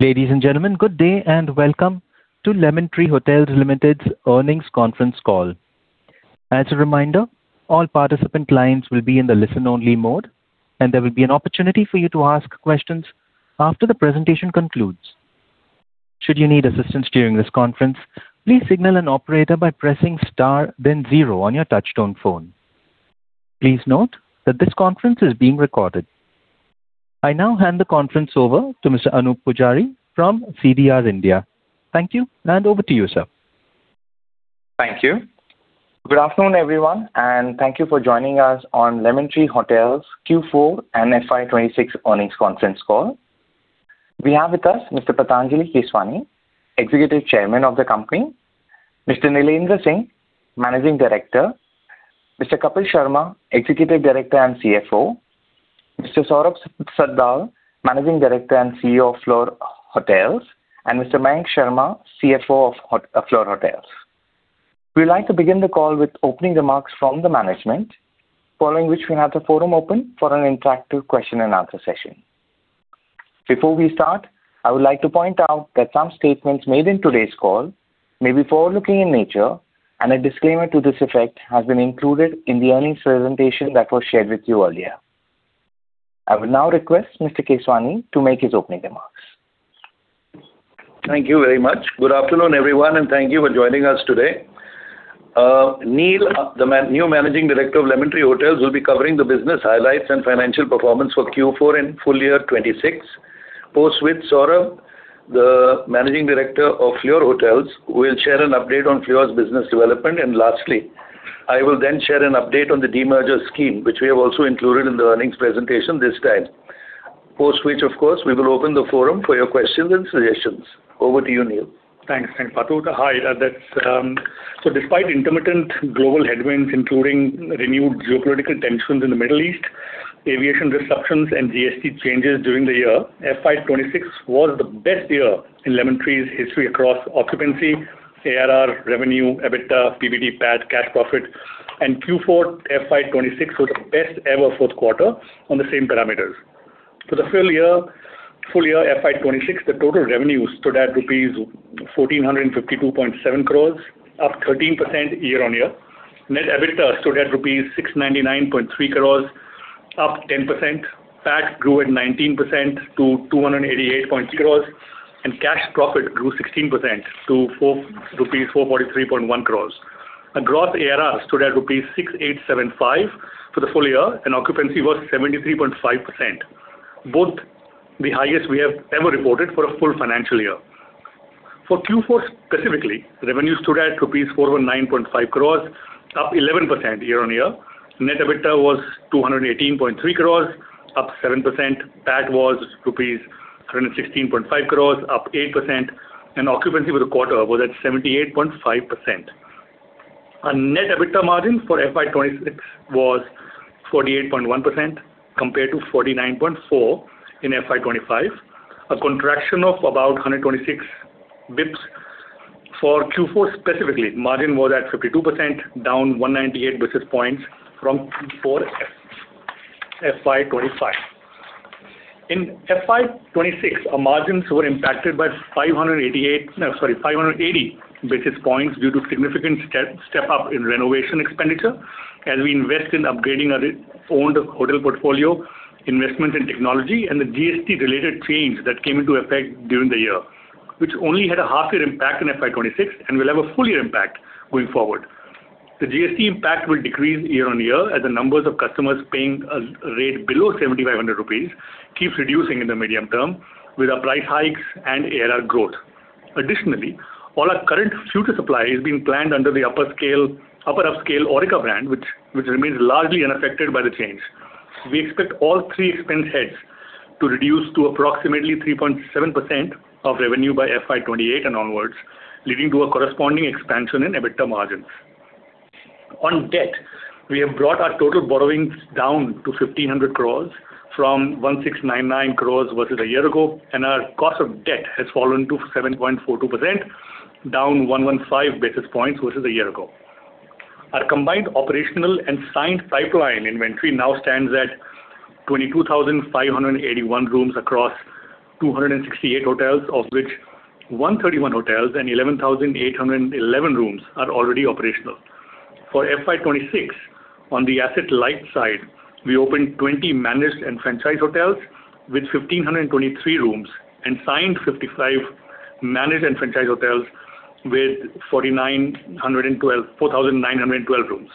Ladies and gentlemen, good day and welcome to Lemon Tree Hotels Limited's earnings conference call. As a reminder, all participant lines will be in the listen-only mode, and there will be an opportunity for you to ask questions after the presentation concludes. Should you need assistance during this conference, please signal an operator by pressing star then zero on your touchtone phone. Please note that this conference is being recorded. I now hand the conference over to Mr. Anoop Poojari from CDR India. Thank you, and over to you, sir. Thank you. Good afternoon, everyone, and thank you for joining us on Lemon Tree Hotels Q4 and FY 2026 Earnings conference call. We have with us Mr. Patanjali Keswani, Executive Chairman of the company, Mr. Neelendra Singh, Managing Director, Mr. Kapil Sharma, Executive Director and CFO, Mr. Saurabh Shatdal, Managing Director and CEO of Fleur Hotels, and Mr. Mayank Sharma, CFO of Fleur Hotels. We'd like to begin the call with opening remarks from the management, following which we'll have the forum open for an interactive question and answer session. Before we start, I would like to point out that some statements made in today's call may be forward-looking in nature, and a disclaimer to this effect has been included in the earnings presentation that was shared with you earlier. I would now request Mr. Keswani to make his opening remarks. Thank you very much. Good afternoon, everyone, and thank you for joining us today. Neel, the new Managing Director of Lemon Tree Hotels, will be covering the business highlights and financial performance for Q4 and full year 2026. Post which, Saurabh, the Managing Director of Fleur Hotels, will share an update on Fleur's business development. Lastly, I will then share an update on the demerger scheme, which we have also included in the earnings presentation this time. Post which, of course, we will open the forum for your questions and suggestions. Over to you, Neel. Thanks, Patu. Despite intermittent global headwinds, including renewed geopolitical tensions in the Middle East, aviation disruptions, and GST changes during the year, FY 2026 was the best year in Lemon Tree's history across occupancy, ARR, revenue, EBITDA, PBT, PAT, cash profit. Q4 FY 2026 was the best ever fourth quarter on the same parameters. For the full year FY 2026, the total revenue stood at rupees 1,452.7 crores, up 13% year-on-year. Net EBITDA stood at rupees 699.3 crores, up 10%. PAT grew at 19% to 288.0 crores. Cash profit grew 16% to rupees 443.1 crores. A gross ARR stood at rupees 6,875 for the full year. Occupancy was 73.5%. Both the highest we have ever reported for a full financial year. For Q4 specifically, revenue stood at rupees 409.5 crores, up 11% year-on-year. Net EBITDA was 218.3 crores, up 7%. PAT was rupees 316.5 crore, up 8%, and occupancy for the quarter was at 78.5%. Our net EBITDA margin for FY 2026 was 48.1% compared to 49.4% in FY 2025, a contraction of about 126 basis points. For Q4 specifically, margin was at 52%, down 198 basis points from Q4 FY 2025. In FY 2026, our margins were impacted by 580 basis points due to significant step-up in renovation expenditure as we invest in upgrading our owned hotel portfolio, investment in technology, and the GST-related change that came into effect during the year, which only had a half year impact in FY 2026 and will have a full year impact going forward. The GST impact will decrease year-over-year as the numbers of customers paying a rate below 7,500 rupees keeps reducing in the medium term with our price hikes and ARR growth. Additionally, all our current future supply is being planned under the upper upscale Aurika brand, which remains largely unaffected by the change. We expect all three expense heads to reduce to approximately 3.7% of revenue by FY 2028 and onwards, leading to a corresponding expansion in EBITDA margins. On debt, we have brought our total borrowings down to 1,500 crores from 1,699 crores versus a year ago, and our cost of debt has fallen to 7.42%, down 115 basis points versus a year ago. Our combined operational and signed pipeline inventory now stands at 22,581 rooms across 268 hotels, of which 131 hotels and 11,811 rooms are already operational. For FY 2026, on the asset light side, we opened 20 managed and franchise hotels with 1,523 rooms and signed 55 managed and franchise hotels with 4,912 rooms.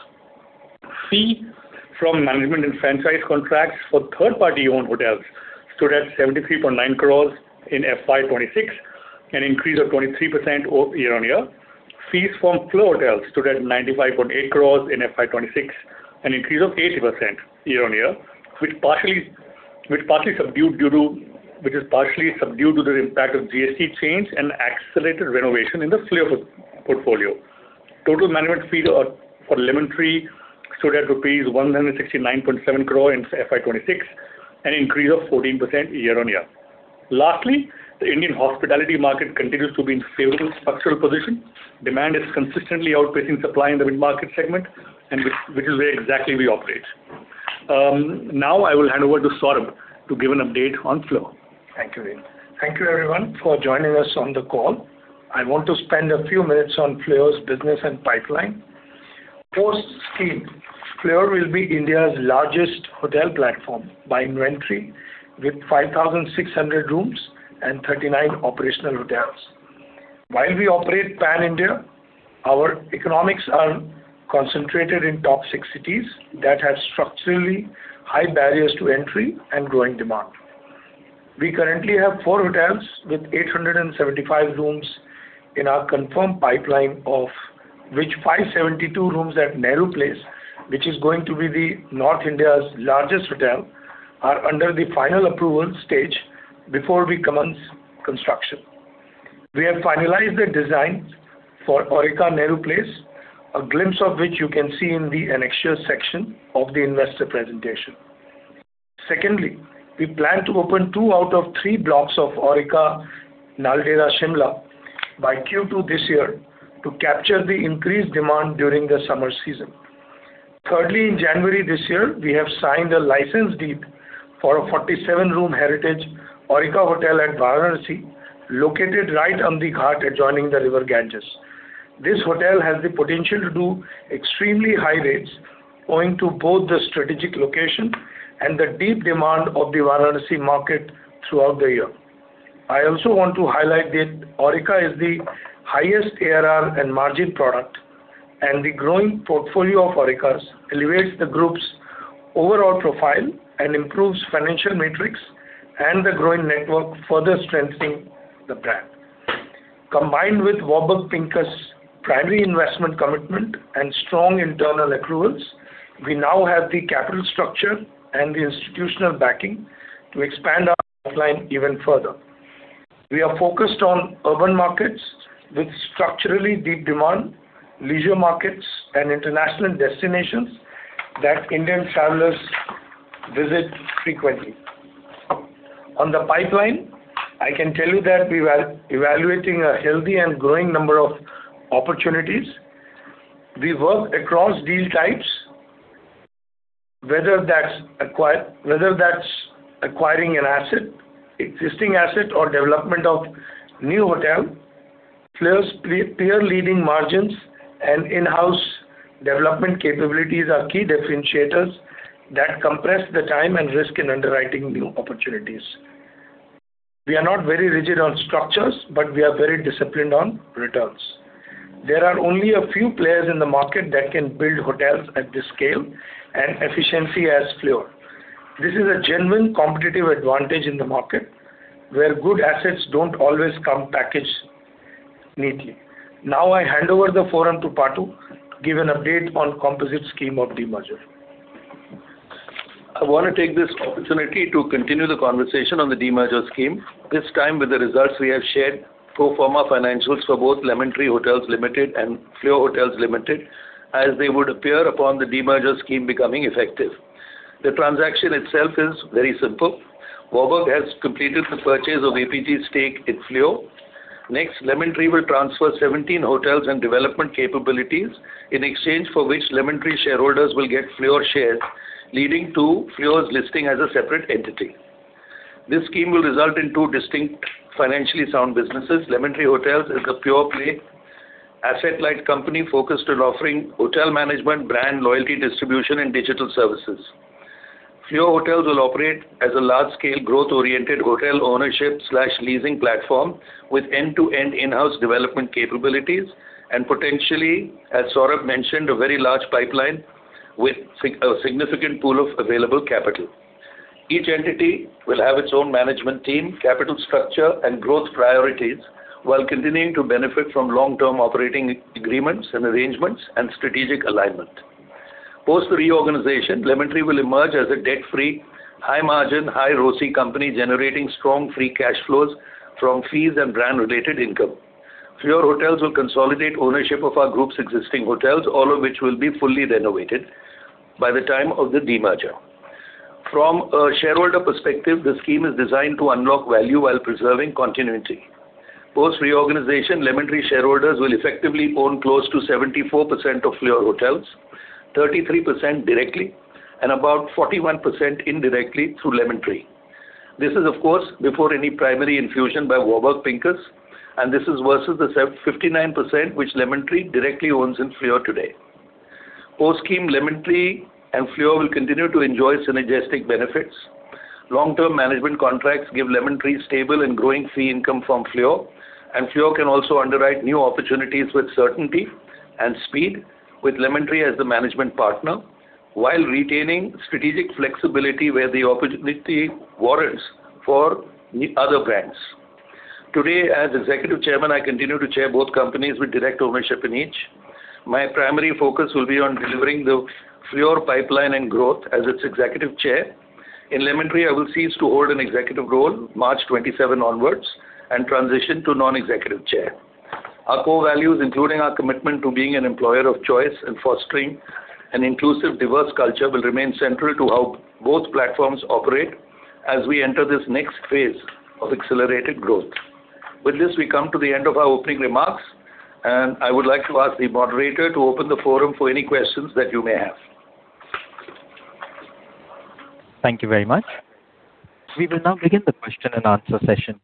Fees from management and franchise contracts for third-party owned hotels stood at 73.9 crore in FY 2026, an increase of 23% year-on-year. Fees from Fleur hotels stood at 95.8 crore in FY 2026, an increase of 80% year-on-year, which is partially subdued due to the impact of GST change and accelerated renovation in the Fleur portfolio. Total management fees for Lemon Tree stood at rupees 169.7 crore in FY 2026, an increase of 14% year-on-year. The Indian hospitality market continues to be in favorable structural position. Demand is consistently outpacing supply in the mid-market segment, which is where exactly we operate. Now I will hand over to Saurabh to give an update on Fleur. Thank you, Neel. Thank you everyone for joining us on the call. I want to spend a few minutes on Fleur's business and pipeline. Post scheme, Fleur will be India's largest hotel platform by inventory with 5,600 rooms and 39 operational hotels. While we operate pan-India, our economics are concentrated in top six cities that have structurally high barriers to entry and growing demand. We currently have four hotels with 875 rooms in our confirmed pipeline, of which 572 rooms at Nehru Place, which is going to be the North India's largest hotel, are under the final approval stage before we commence construction. We have finalized the designs for Aurika, Nehru Place, a glimpse of which you can see in the annexure section of the investor presentation. We plan to open two out of three blocks of Aurika, Naldehra, Shimla by Q2 this year to capture the increased demand during the summer season. In January this year, we have signed a license deed for a 47-room heritage Aurika hotel at Varanasi, located right on the ghat adjoining the River Ganges. This hotel has the potential to do extremely high rates owing to both the strategic location and the deep demand of the Varanasi market throughout the year. I also want to highlight that Aurika is the highest ARR and margin product, and the growing portfolio of Aurikas elevates the group's overall profile and improves financial metrics, and the growing network further strengthening the brand. Combined with Warburg Pincus' primary investment commitment and strong internal accruals, we now have the capital structure and the institutional backing to expand our pipeline even further. We are focused on urban markets with structurally deep demand, leisure markets, and international destinations that Indian travelers visit frequently. On the pipeline, I can tell you that we are evaluating a healthy and growing number of opportunities. We work across deal types, whether that's acquiring an existing asset, or development of new hotel. Fleur's peer-leading margins and in-house development capabilities are key differentiators that compress the time and risk in underwriting new opportunities. We are not very rigid on structures, but we are very disciplined on returns. There are only a few players in the market that can build hotels at this scale and efficiency as Fleur. This is a genuine competitive advantage in the market, where good assets don't always come packaged neatly. Now I hand over the forum to Patu to give an update on composite scheme of demerger. I want to take this opportunity to continue the conversation on the demerger scheme, this time with the results we have shared pro forma financials for both Lemon Tree Hotels Limited and Fleur Hotels Limited as they would appear upon the demerger scheme becoming effective. The transaction itself is very simple. Warburg has completed the purchase of APG's stake in Fleur. Next, Lemon Tree will transfer 17 hotels and development capabilities, in exchange for which Lemon Tree shareholders will get Fleur shares, leading to Fleur's listing as a separate entity. This scheme will result in two distinct financially sound businesses. Lemon Tree Hotels is a pure play asset-light company focused on offering hotel management, brand loyalty distribution, and digital services. Fleur Hotels will operate as a large-scale growth-oriented hotel ownership/leasing platform with end-to-end in-house development capabilities and potentially, as Saurabh mentioned, a very large pipeline with a significant pool of available capital. Each entity will have its own management team, capital structure, and growth priorities while continuing to benefit from long-term operating agreements and arrangements and strategic alignment. Post the reorganization, Lemon Tree will emerge as a debt-free, high margin, high ROCE company generating strong free cash flows from fees and brand-related income. Fleur Hotels will consolidate ownership of our group's existing hotels, all of which will be fully renovated by the time of the demerger. From a shareholder perspective, the scheme is designed to unlock value while preserving continuity. Post reorganization, Lemon Tree shareholders will effectively own close to 74% of Fleur Hotels, 33% directly and about 41% indirectly through Lemon Tree. This is, of course, before any primary infusion by Warburg Pincus, and this is versus the 59% which Lemon Tree directly owns in Fleur today. Post scheme, Lemon Tree and Fleur will continue to enjoy synergistic benefits. Long-term management contracts give Lemon Tree stable and growing fee income from Fleur, and Fleur can also underwrite new opportunities with certainty and speed with Lemon Tree as the management partner while retaining strategic flexibility where the opportunity warrants for other brands. Today, as Executive Chairman, I continue to chair both companies with direct ownership in each. My primary focus will be on delivering the Fleur pipeline and growth as its Executive Chair. In Lemon Tree, I will cease to hold an executive role March 27 onwards and transition to Non-Executive Chair. Our core values, including our commitment to being an employer of choice and fostering an inclusive, diverse culture, will remain central to how both platforms operate as we enter this next phase of accelerated growth. With this, we come to the end of our opening remarks, and I would like to ask the moderator to open the forum for any questions that you may have. Thank you very much. We will now begin the question and answer session.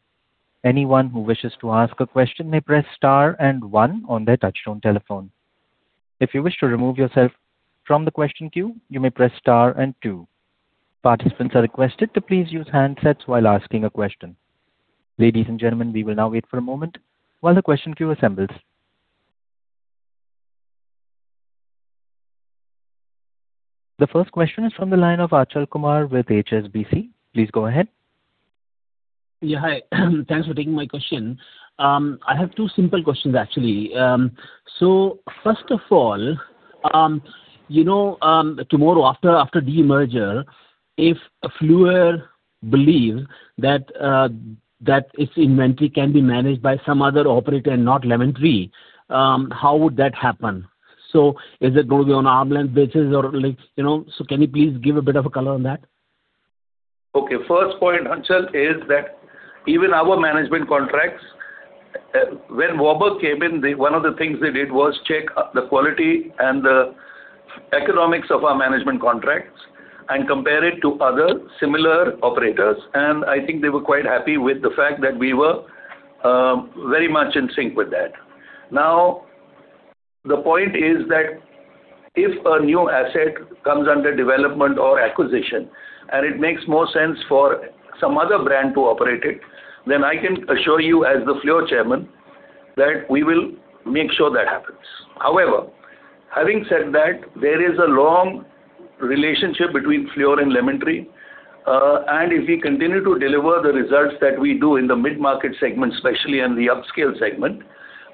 The first question is from the line of Achal Kumar with HSBC. Please go ahead. Yeah. Hi. Thanks for taking my question. I have two simple questions, actually. First of all, tomorrow after demerger, if Fleur believes that its inventory can be managed by some other operator and not Lemon Tree, how would that happen? Is it going to be on arm's length basis or like can you please give a bit of a color on that? Okay. First point, Achal, is that, even our management contracts, when Warburg came in, one of the things they did was check the quality and the economics of our management contracts and compare it to other similar operators. I think they were quite happy with the fact that we were very much in sync with that. The point is that if a new asset comes under development or acquisition and it makes more sense for some other brand to operate it, then I can assure you as the Fleur chairman, that we will make sure that happens. Having said that, there is a long relationship between Fleur and Lemon Tree, and if we continue to deliver the results that we do in the mid-market segment, especially in the upscale segment,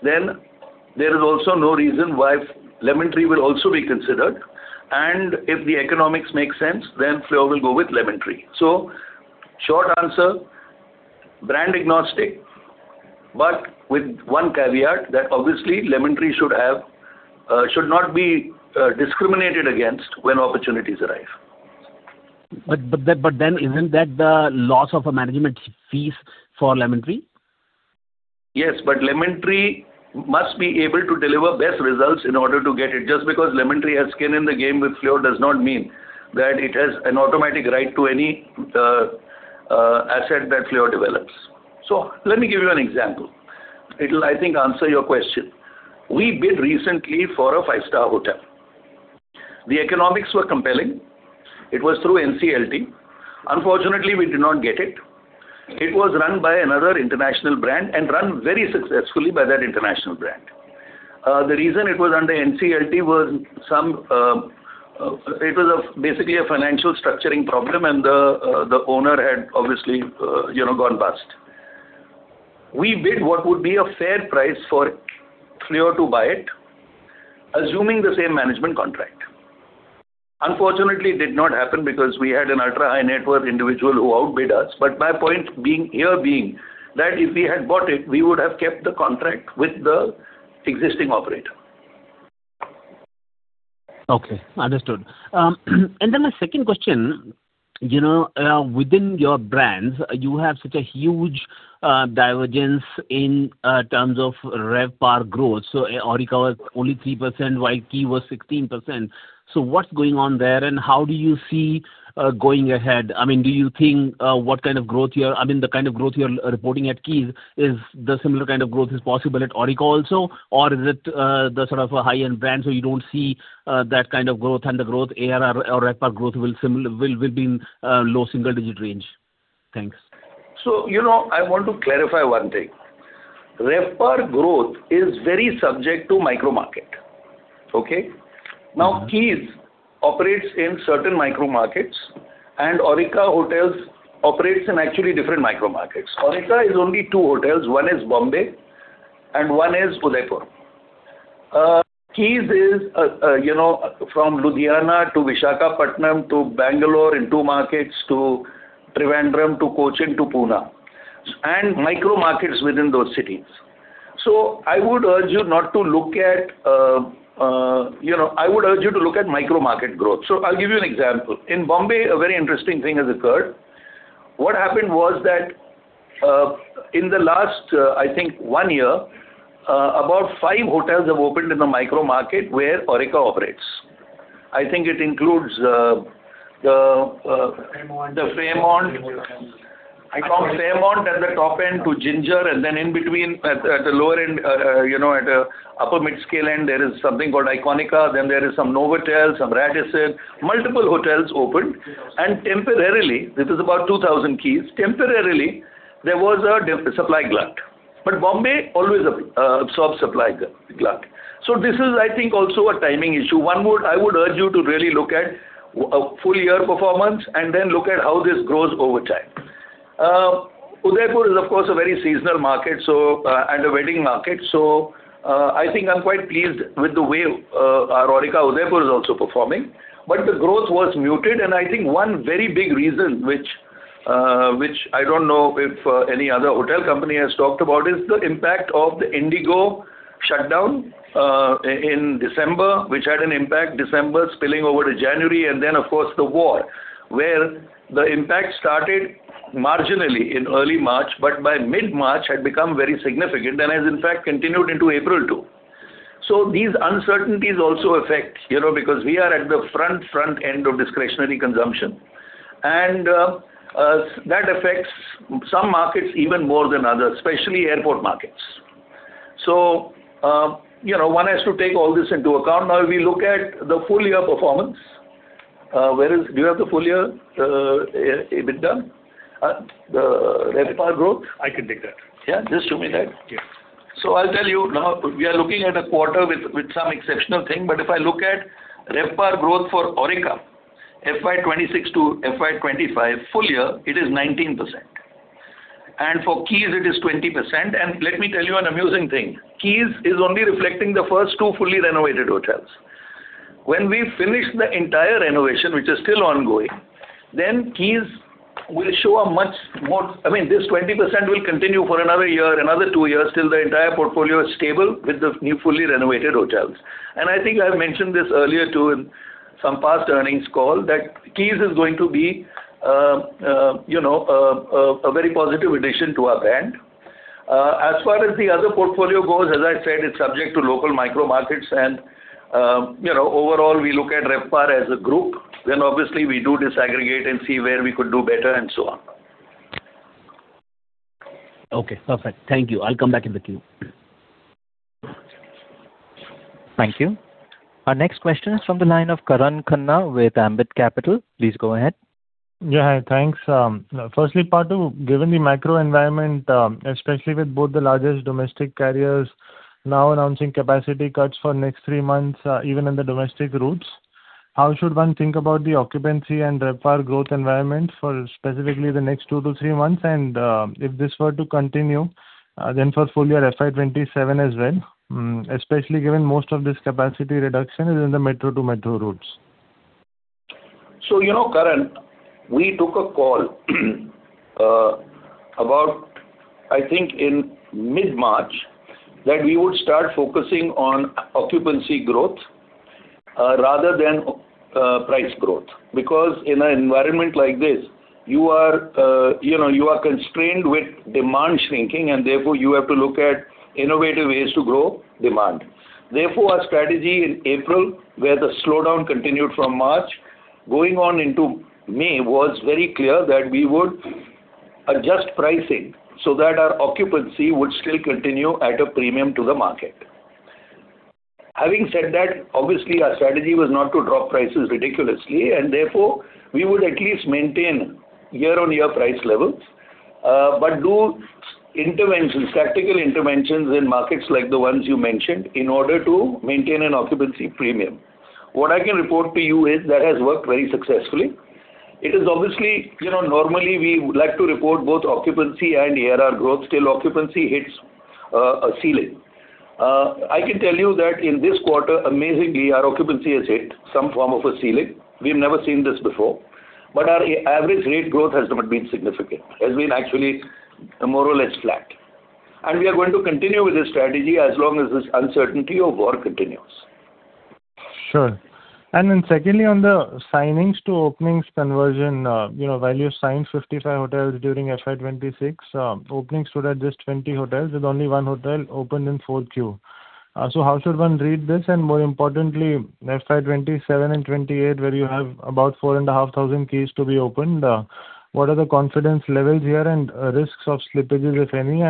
then there is also no reason why Lemon Tree will also be considered, and if the economics make sense, then Fleur will go with Lemon Tree. Short answer, brand agnostic, but with one caveat that obviously Lemon Tree should not be discriminated against when opportunities arise. Isn't that the loss of a management fees for Lemon Tree? Lemon Tree must be able to deliver best results in order to get it. Just because Lemon Tree has skin in the game with Fleur does not mean that it has an automatic right to any asset that Fleur develops. Let me give you an example. It'll, I think, answer your question. We bid recently for a five-star hotel. The economics were compelling. It was through NCLT. Unfortunately, we did not get it. It was run by another international brand and run very successfully by that international brand. The reason it was under NCLT was it was basically a financial structuring problem and the owner had obviously gone bust. We bid what would be a fair price for Fleur to buy it, assuming the same management contract. Unfortunately, it did not happen because we had an ultra-high-net-worth individual who outbid us, but my point here being that if we had bought it, we would have kept the contract with the existing operator. Okay. Understood. The second question, within your brands, you have such a huge divergence in terms of RevPAR growth. Aurika was only 3% while Keys was 16%. What's going on there, and how do you see going ahead? Do you think the kind of growth you're reporting at Keys, the similar kind of growth is possible at Aurika also, or is it the sort of a high-end brand, you don't see that kind of growth and the growth ARR or RevPAR growth will be in low single-digit range? Thanks. I want to clarify one thing. RevPAR growth is very subject to micro market. Okay. Keys operates in certain micro markets and Aurika Hotels operates in actually different micro markets. Aurika is only two hotels, one is Bombay and one is Udaipur. Keys is from Ludhiana to Visakhapatnam to Bangalore in two markets to Trivandrum to Cochin to Pune, and micro markets within those cities. I would urge you to look at micro market growth. I'll give you an example. In Bombay, a very interesting thing has occurred. What happened was that in the last, I think, one year, about five hotels have opened in the micro market where Aurika operates. I think it includes the [Fairmont], that will open to Ginger, then in between at the lower end, at upper mid scale end, there is something called Iconica, then there is some Novotel, some Radisson. Multiple hotels opened. Temporarily, this is about 2,000 Keys. Temporarily, there was a supply glut. Mumbai always absorbs supply glut. This is, I think, also a timing issue. One, I would urge you to really look at a full year performance then look at how this grows over time. Udaipur is, of course, a very seasonal market and a wedding market. I think I'm quite pleased with the way Aurika Udaipur is also performing. The growth was muted, and I think one very big reason which I don't know if any other hotel company has talked about is the impact of the IndiGo shutdown in December, which had an impact December spilling over to January, and then, of course, the war, where the impact started marginally in early March, but by mid-March had become very significant and has in fact continued into April too. These uncertainties also affect because we are at the front end of discretionary consumption. That affects some markets even more than others, especially airport markets. One has to take all this into account. Now we look at the full year performance. Do you have the full year EBITDA? The RevPAR growth? I can take that. Yeah. Just show me that. Yeah. I'll tell you now, we are looking at a quarter with some exceptional thing. If I look at RevPAR growth for Aurika, FY 2026 to FY 2025 full year, it is 19%. For Keys it is 20%. Let me tell you an amusing thing. Keys is only reflecting the first two fully renovated hotels. When we finish the entire renovation, which is still ongoing, then Keys will show this 20% will continue for another year, another two years, till the entire portfolio is stable with the new fully renovated hotels. I think I mentioned this earlier, too, in some past earnings call that Keys is going to be a very positive addition to our brand. As far as the other portfolio goes, as I said, it's subject to local micro markets and overall we look at RevPAR as a group. Obviously we do disaggregate and see where we could do better and so on. Okay, perfect. Thank you. I'll come back in the queue. Thank you. Our next question is from the line of Karan Khanna with Ambit Capital. Please go ahead. Yeah. Thanks. Firstly, Patu, given the macro environment, especially with both the largest domestic carriers now announcing capacity cuts for next three months, even in the domestic routes, how should one think about the occupancy and RevPAR growth environment for specifically the next two to three months? If this were to continue, then for full year FY 2027 as well, especially given most of this capacity reduction is in the metro to metro routes. Karan, we took a call about, I think in mid-March, that we would start focusing on occupancy growth rather than price growth because in an environment like this you are constrained with demand shrinking and therefore you have to look at innovative ways to grow demand. Our strategy in April where the slowdown continued from March going on into May was very clear that we would adjust pricing so that our occupancy would still continue at a premium to the market. Having said that, obviously our strategy was not to drop prices ridiculously, and therefore we would at least maintain year-on-year price levels, but do tactical interventions in markets like the ones you mentioned in order to maintain an occupancy premium. What I can report to you is that has worked very successfully. Normally we would like to report both occupancy and ARR growth till occupancy hits a ceiling. I can tell you that in this quarter, amazingly, our occupancy has hit some form of a ceiling. We've never seen this before, but our average rate growth has not been significant, has been actually more or less flat. We are going to continue with this strategy as long as this uncertainty of war continues. Sure. Secondly, on the signings to openings conversion, while you signed 55 hotels during FY 2026, openings stood at just 20 hotels with only one hotel opened in Q4. How should one read this? More importantly, FY 2027 and 2028 where you have about 4,500 Keys to be opened, what are the confidence levels here and risks of slippages, if any.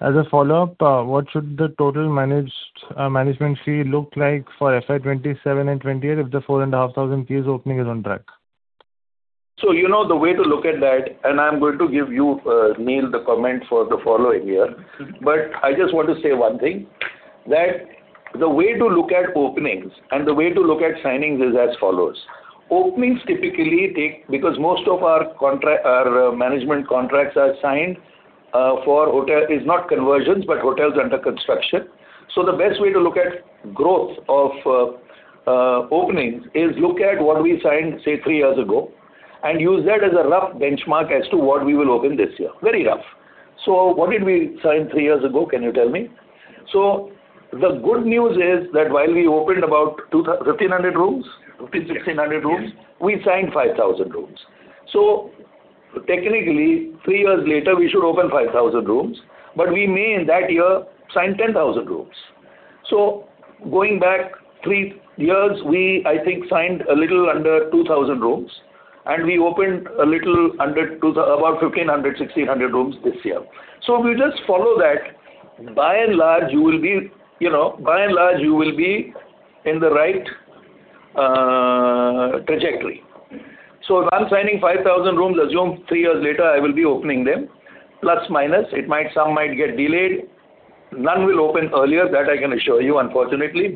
As a follow-up, what should the total management fee look like for FY 2027 and 2028 if the 4,500 Keys opening is on track? The way to look at that, and I am going to give you, Neel, the comment for the follow-up here, but I just want to say one thing, that the way to look at openings and the way to look at signings is as follows. Openings typically take because most of our management contracts are signed for not conversions, but hotels under construction, the best way to look at growth of openings is look at what we signed, say, three years ago, and use that as a rough benchmark as to what we will open this year. Very rough. What did we sign three years ago? Can you tell me? The good news is that while we opened about 1,500 rooms, 1,500, 1,600 rooms. We signed 5,000 rooms. Technically, three years later, we should open 5,000 rooms, but we may in that year sign 10,000 rooms. Going back three years, we, I think, signed a little under 2,000 rooms, and we opened about 1,500, 1,600 rooms this year. If you just follow that, by and large you will be in the right trajectory. If I'm signing 5,000 rooms, assume three years later I will be opening them, plus, minus. Some might get delayed. None will open earlier, that I can assure you, unfortunately.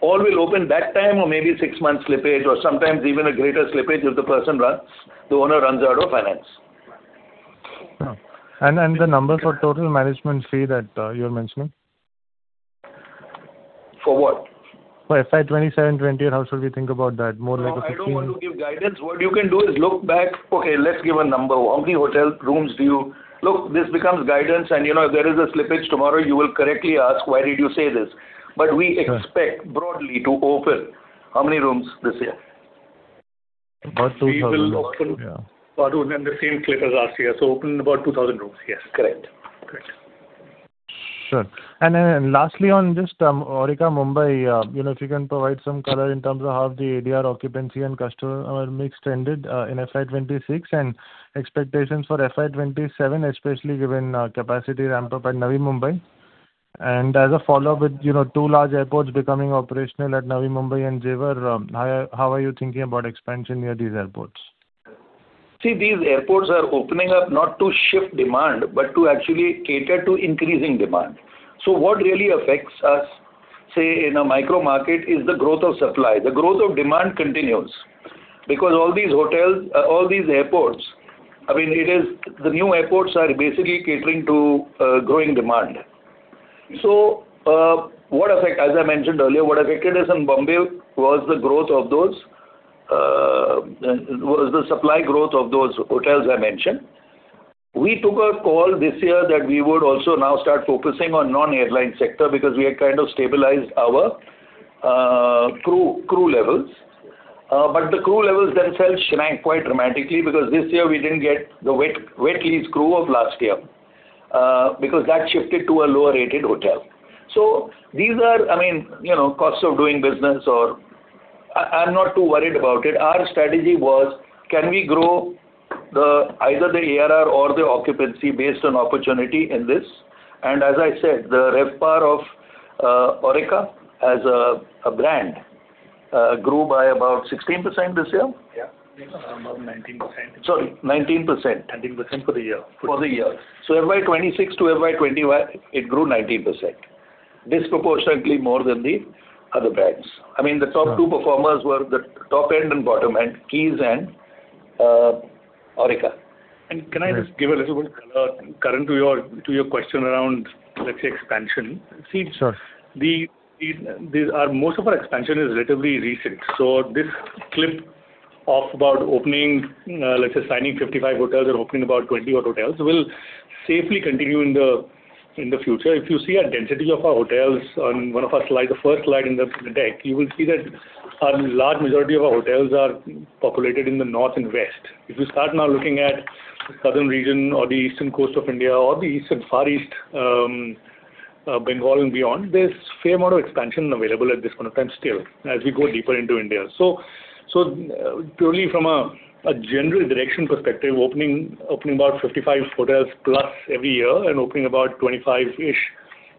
All will open that time or maybe six months slippage or sometimes even a greater slippage if the owner runs out of finance. The number for total management fee that you are mentioning? For what? For FY 2027/2028, how should we think about that? More like a 15- No, I don't want to give guidance. What you can do is look back. Okay, let's give a number. How many hotel rooms? Look, this becomes guidance, and if there is a slippage tomorrow, you will correctly ask, why did you say this? We expect broadly to open how many rooms this year? About 2,000. We will open about within the same clip as last year so open about 2,000 rooms. Yes. Correct. Sure. Lastly on just Aurika Mumbai, if you can provide some color in terms of how the ADR occupancy and customer mix tended in FY 2026 and expectations for FY 2027, especially given capacity ramp-up at Navi Mumbai. As a follow-up with two large airports becoming operational at Navi Mumbai and Jewar, how are you thinking about expansion near these airports? These airports are opening up not to shift demand, but to actually cater to increasing demand. What really affects us, say in a micro market, is the growth of supply. The growth of demand continues because all these airports, the new airports are basically catering to growing demand. As I mentioned earlier, what affected us in Mumbai was the supply growth of those hotels I mentioned. We took a call this year that we would also now start focusing on non-airline sector because we had kind of stabilized our crew levels. The crew levels themselves shrank quite dramatically because this year we didn't get the wet lease crew of last year, because that shifted to a lower-rated hotel. These are costs of doing business. I'm not too worried about it. Our strategy was, can we grow either the ARR or the occupancy based on opportunity in this? As I said, the RevPAR of Aurika as a brand grew by about 16% this year? Yeah. About 19%. Sorry, 19%. 19% for the year. For the year. FY 2026 to FY 2025, it grew 19%, disproportionately more than the other brands. The top two performers were the top end and bottom end, Keys and Aurika. Can I just give a little bit of color, Karan, to your question around, let's say expansion? Sure Most of our expansion is relatively recent. This clip of about opening, let's say signing 55 hotels or opening about 20 odd hotels will safely continue in the future. If you see a density of our hotels on one of our slides, the first slide in the deck, you will see that a large majority of our hotels are populated in the North and West. If you start now looking at the Southern region or the Eastern coast of India or the Far East, Bengal and beyond, there's fair amount of expansion available at this point of time still as we go deeper into India. Purely from a general direction perspective, opening about 55 hotels plus every year and opening about 25-ish,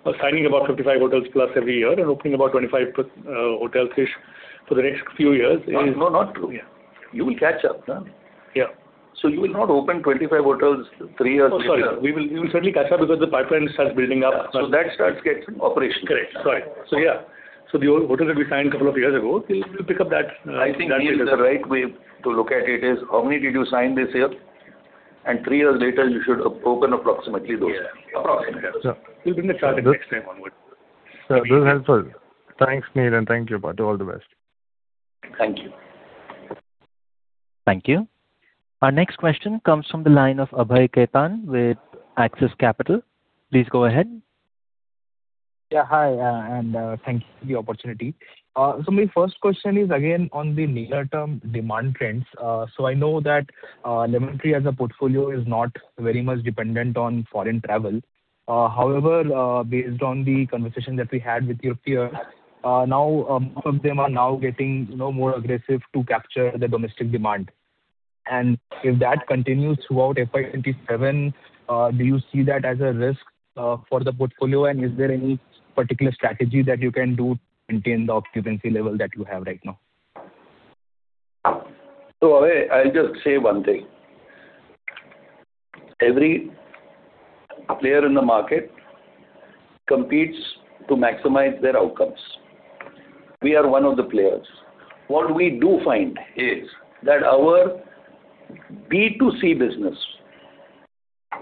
or signing about 55 hotels plus every year and opening about 25 hotels-ish for the next few years is. No, not true. Yeah. You will catch up. Yeah. You will not open 25 hotels three years later. Oh, sorry. We will certainly catch up because the pipeline starts building up. That starts getting operational. Correct. Sorry. Yeah. The hotels that we signed a couple of years ago, we'll pick up. I think, Neel, the right way to look at it is how many did you sign this year, and three years later, you should have opened approximately those. Yeah. Approximately. We'll bring the target next time onward. Sir, this is helpful. Thanks, Neel, and thank you, Patu. All the best. Thank you. Thank you. Our next question comes from the line of Abhay Khaitan with Axis Capital. Please go ahead. Yeah. Hi, thank you for the opportunity. My first question is again on the near-term demand trends. I know that Lemon Tree as a portfolio is not very much dependent on foreign travel. However, based on the conversation that we had with your peer, now most of them are now getting more aggressive to capture the domestic demand. If that continues throughout FY 2027, do you see that as a risk for the portfolio? Is there any particular strategy that you can do to maintain the occupancy level that you have right now? Abhay, I'll just say one thing. Every player in the market competes to maximize their outcomes. We are one of the players. What we do find is that our B2C business,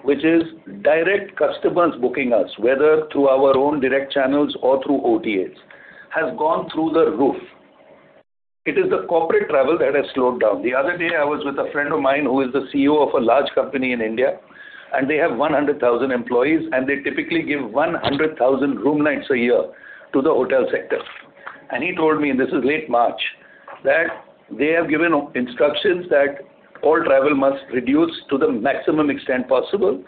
which is direct customers booking us, whether through our own direct channels or through OTAs, has gone through the roof. It is the corporate travel that has slowed down. The other day, I was with a friend of mine who is the CEO of a large company in India, and they have 100,000 employees, and they typically give 100,000 room nights a year to the hotel sector. He told me, and this is late March, that they have given instructions that all travel must reduce to the maximum extent possible,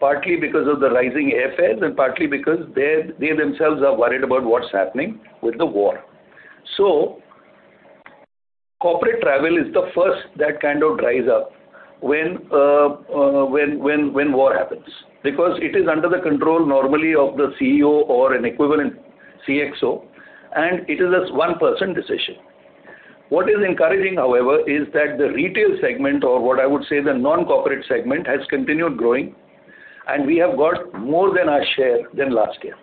partly because of the rising airfares and partly because they themselves are worried about what's happening with the war. Corporate travel is the first that kind of dries up when war happens because it is under the control normally of the CEO or an equivalent CXO, and it is a one-person decision. What is encouraging, however, is that the retail segment, or what I would say the non-corporate segment, has continued growing, and we have got more than our share than last year.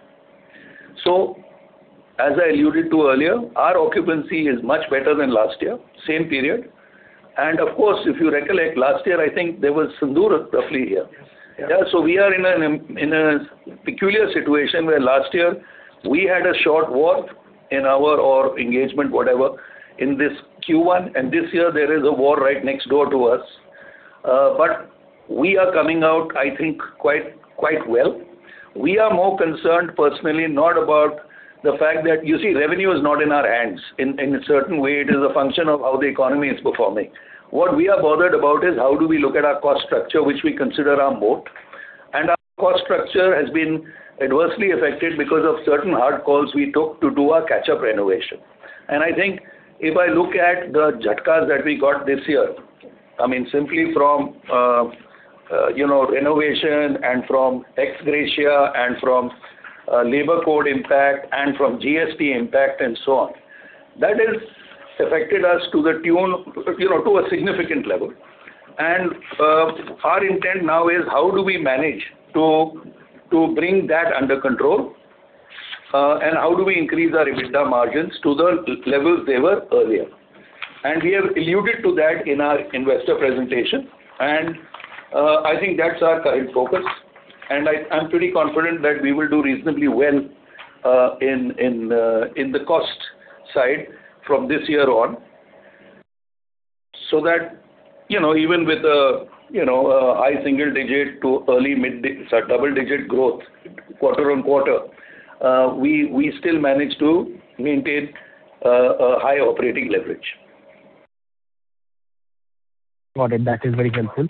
As I alluded to earlier, our occupancy is much better than last year, same period. Of course, if you recollect last year, I think there was [subdued] roughly here. Yes. Yeah. We are in a peculiar situation where last year we had a short war in our engagement, whatever, in this Q1, and this year there is a war right next door to us. We are coming out, I think, quite well. We are more concerned personally, not about the fact that, you see, revenue is not in our hands. In a certain way, it is a function of how the economy is performing. What we are bothered about is how do we look at our cost structure, which we consider our moat, and our cost structure has been adversely affected because of certain hard calls we took to do our catch-up renovation. I think if I look at the jhatka that we got this year, simply from renovation and from ex gratia and from labor code impact and from GST impact and so on, that has affected us to a significant level. Our intent now is how do we manage to bring that under control, and how do we increase our EBITDA margins to the levels they were earlier. We have alluded to that in our investor presentation, and I think that's our current focus, and I'm pretty confident that we will do reasonably well in the cost side from this year on, so that even with a high single-digit to early double-digit growth quarter-on-quarter, we still manage to maintain a high operating leverage. Got it. That is very helpful.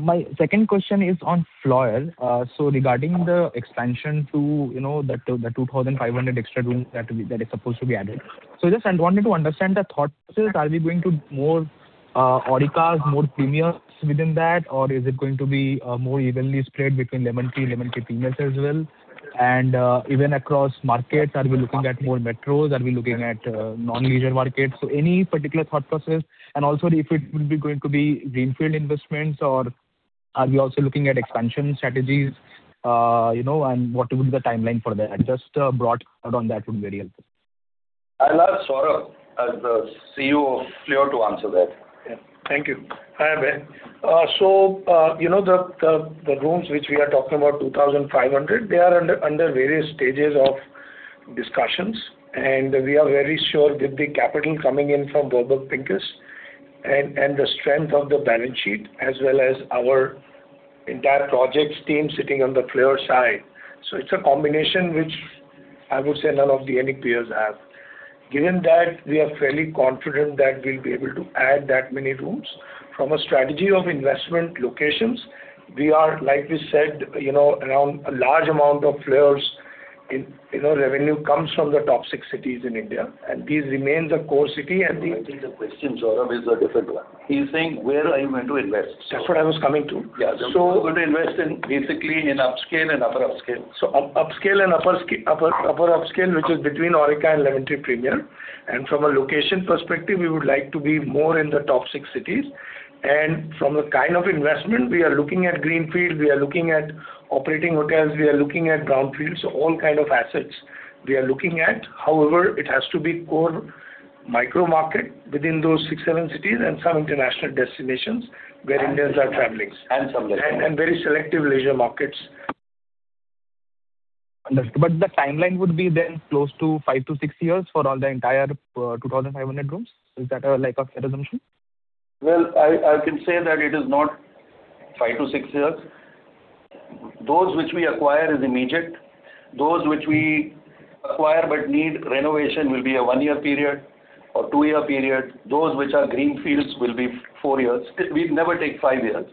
My second question is on Fleur. Regarding the expansion to the 2,500 extra rooms that is supposed to be added. Just I wanted to understand the thought process. Are we going to more Aurikas, more Premiums within that, or is it going to be more evenly spread between Lemon Tree, Lemon Tree Premier as well? Even across markets, are we looking at more metros? Are we looking at non-leisure markets? Any particular thought process, and also if it will be going to be greenfield investments, or are we also looking at expansion strategies, and what will be the timeline for that? Just a broad thought on that would be very helpful. I'll ask Saurabh as the CEO of Fleur to answer that. Yeah. Thank you. Hi, Abhay. The rooms which we are talking about, 2,500, they are under various stages of discussions, and we are very sure with the capital coming in from Warburg Pincus and the strength of the balance sheet as well as our entire projects team sitting on the Fleur side. It's a combination which I would say none of the ENIC peers have. Given that, we are fairly confident that we'll be able to add that many rooms. From a strategy of investment locations, we are, like we said, around a large amount of Fleur in revenue comes from the top six cities in India, and these remain the core city. No, I think the question, Saurabh, is a different one. He's saying, where are you going to invest? That's what I was coming to. Yeah. So- We're going to invest in basically in upscale and upper upscale. Upscale and upper upscale, which is between Aurika and Lemon Tree Premier. From a location perspective, we would like to be more in the top six cities. From the kind of investment, we are looking at greenfield, we are looking at operating hotels, we are looking at brownfields. All kind of assets we are looking at. However, it has to be core micro market within those six, seven cities and some international destinations where Indians are traveling. Some leisure. Very selective leisure markets. Understood. The timeline would be then close to five to six years for all the entire 2,500 rooms? Is that a fair assumption? Well, I can say that it is not five to six years. Those which we acquire is immediate. Those which we acquire but need renovation will be a one-year period or two-year period. Those which are greenfields will be four years. We never take five years.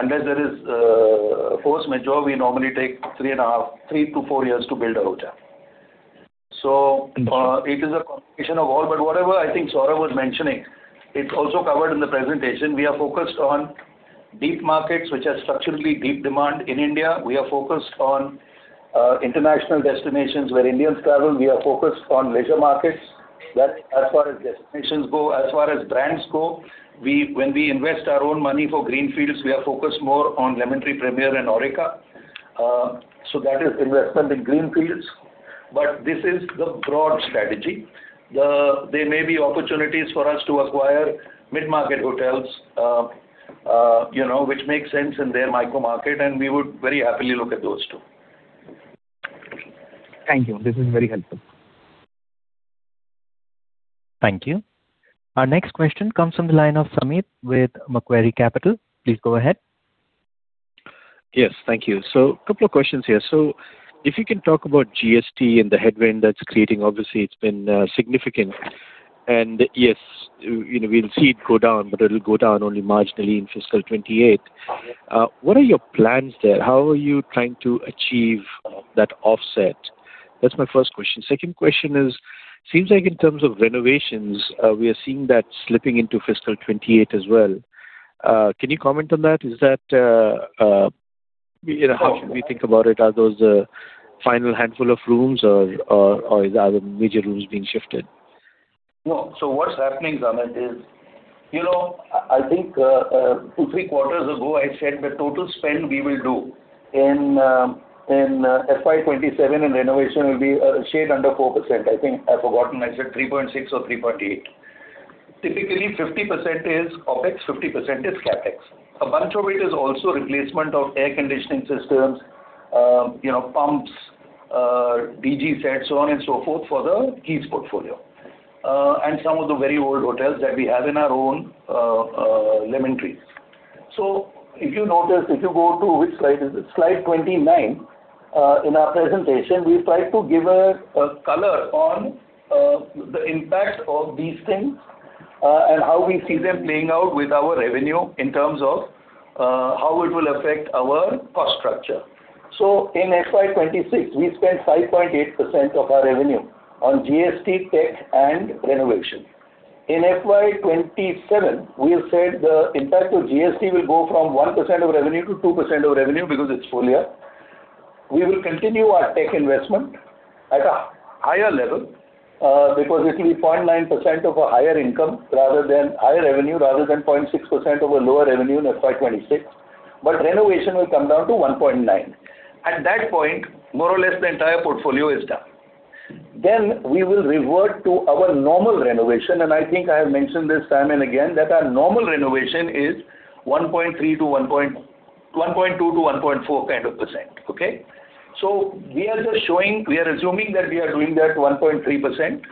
Unless there is a force majeure, we normally take three to four years to build a hotel. Understood. It is a combination of all. Whatever I think Saurabh was mentioning, it's also covered in the presentation. We are focused on deep markets which have structurally deep demand in India. We are focused on international destinations where Indians travel. We are focused on leisure markets, that as far as destinations go. As far as brands go, when we invest our own money for greenfields, we are focused more on Lemon Tree Premier and Aurika. That is investment in greenfields. This is the broad strategy. There may be opportunities for us to acquire mid-market hotels which make sense in their micro market, and we would very happily look at those too. Thank you. This is very helpful. Thank you. Our next question comes from the line of Samit with Macquarie Capital. Please go ahead. Yes. Thank you. Couple of questions here. If you can talk about GST and the headwind that's creating, obviously, it's been significant. Yes, we'll see it go down, but it'll go down only marginally in fiscal 2028. What are your plans there? How are you trying to achieve that offset? That's my first question. Second question is, seems like in terms of renovations, we are seeing that slipping into fiscal 2028 as well. Can you comment on that? How should we think about it? Are those a final handful of rooms or are the major rooms being shifted? No. What's happening, Samit, is I think, two, three quarters ago, I said the total spend we will do in FY 2027, and renovation will be a shade under 4%. I think I've forgotten. I said 3.6% or 3.8%. Typically, 50% is OpEx, 50% is CapEx. A bunch of it is also replacement of air conditioning systems, pumps, DG sets, so on and so forth for the Keys portfolio, and some of the very old hotels that we have in our own Lemon Trees. If you notice, if you go to, which slide is it? Slide 29 in our presentation, we tried to give a color on the impact of these things and how we see them playing out with our revenue in terms of how it will affect our cost structure. In FY 2026, we spent 5.8% of our revenue on GST, tech, and renovation. In FY 2027, we have said the impact of GST will go from 1% of revenue to 2% of revenue because it's full year. We will continue our tech investment at a higher level because it will be 0.9% of a higher income rather than higher revenue, rather than 0.6% of a lower revenue in FY 2026. Renovation will come down to 1.9%. At that point, more or less the entire portfolio is done. We will revert to our normal renovation, and I think I have mentioned this time and again, that our normal renovation is 1.2%-1.4% kind of. Okay. We are assuming that we are doing that 1.3%.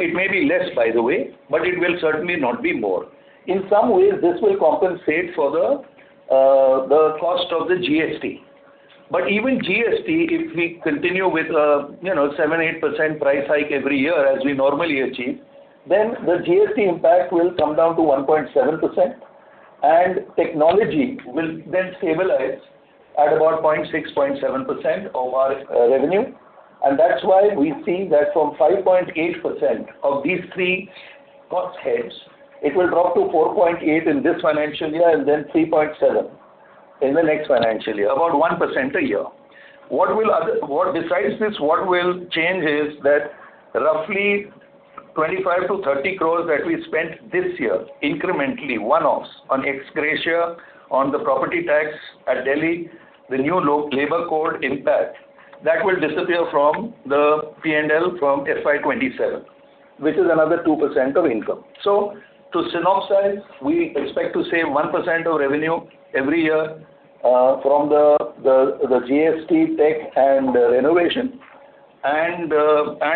It may be less, by the way, but it will certainly not be more. In some ways, this will compensate for the cost of the GST. Even GST, if we continue with 7%-8% price hike every year as we normally achieve, then the GST impact will come down to 1.7%, and technology will then stabilize at about 0.6%-0.7% of our revenue. That's why we see that from 5.8% of these three cost heads, it will drop to 4.8% in this financial year and then 3.7% in the next financial year, about 1% a year. Besides this, what will change is that roughly 25 crore-30 crore that we spent this year incrementally, one-offs on ex gratia, on the property tax at Delhi, the new labor code impact, that will disappear from the P&L from FY 2027, which is another 2% of income. To synopsis, we expect to save 1% of revenue every year from the GST tech and renovation, and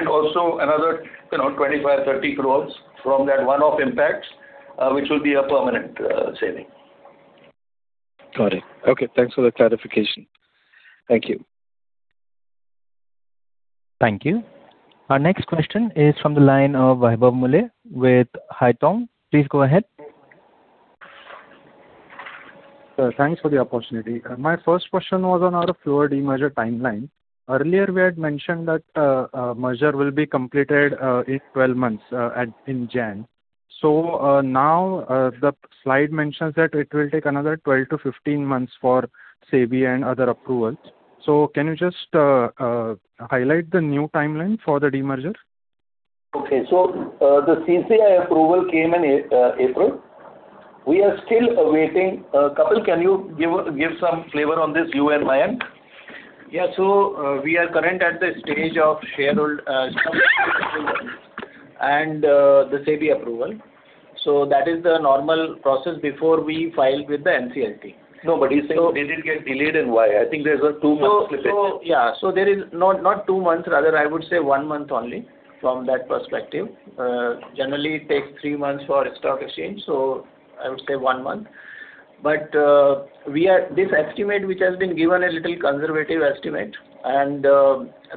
also another 25 crore-30 crore from that one-off impacts, which will be a permanent saving. Got it. Okay, thanks for the clarification. Thank you. Thank you. Our next question is from the line of Vaibhav Muley with Haitong. Please go ahead. Sir, thanks for the opportunity. My first question was on our pure demerger timeline. Earlier we had mentioned that a merger will be completed in 12 months in January. Now the slide mentions that it will take another 12-15 months for SEBI and other approvals. Can you just highlight the new timeline for the demerger? Okay. The CCI approval came in April. We are still awaiting. Kapil, can you give some flavor on this, you and Mayank? Yeah. We are current at the stage of shareholder approval and the SEBI approval. That is the normal process before we file with the NCLT. No, but he's saying did it get delayed and why? I think there's a two-month slippage. Yeah. There is not two months. Rather, I would say 1 month only from that perspective. Generally, it takes three months for a stock exchange, I would say one month. This estimate which has been given a little conservative estimate, and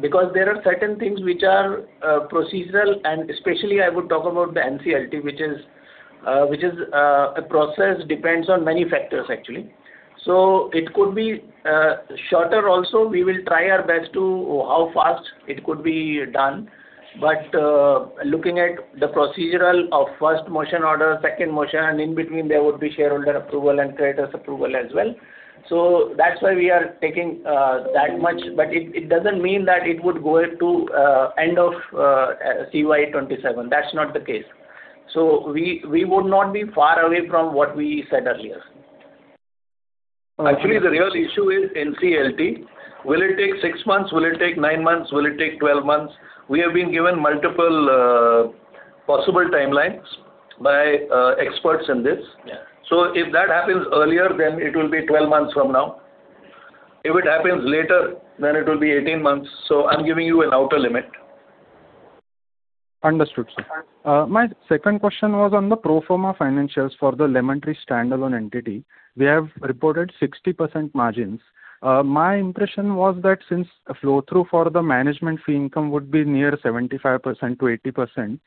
because there are certain things which are procedural, and especially I would talk about the NCLT, which is a process, depends on many factors, actually. It could be shorter also. We will try our best to how fast it could be done. Looking at the procedural of first motion order, second motion, and in between there would be shareholder approval and creditors approval as well. That's why we are taking that much, but it doesn't mean that it would go to end of CY 2027. That's not the case. We would not be far away from what we said earlier. Actually, the real issue is NCLT. Will it take six months? Will it take nine months? Will it take 12 months? We have been given multiple possible timelines by experts in this. Yeah. If that happens earlier, then it will be 12 months from now. If it happens later, then it will be 18 months. I'm giving you an outer limit. Understood, sir. My second question was on the pro forma financials for the Lemon Tree standalone entity. We have reported 60% margins. My impression was that since flow-through for the management fee income would be near 75%-80%,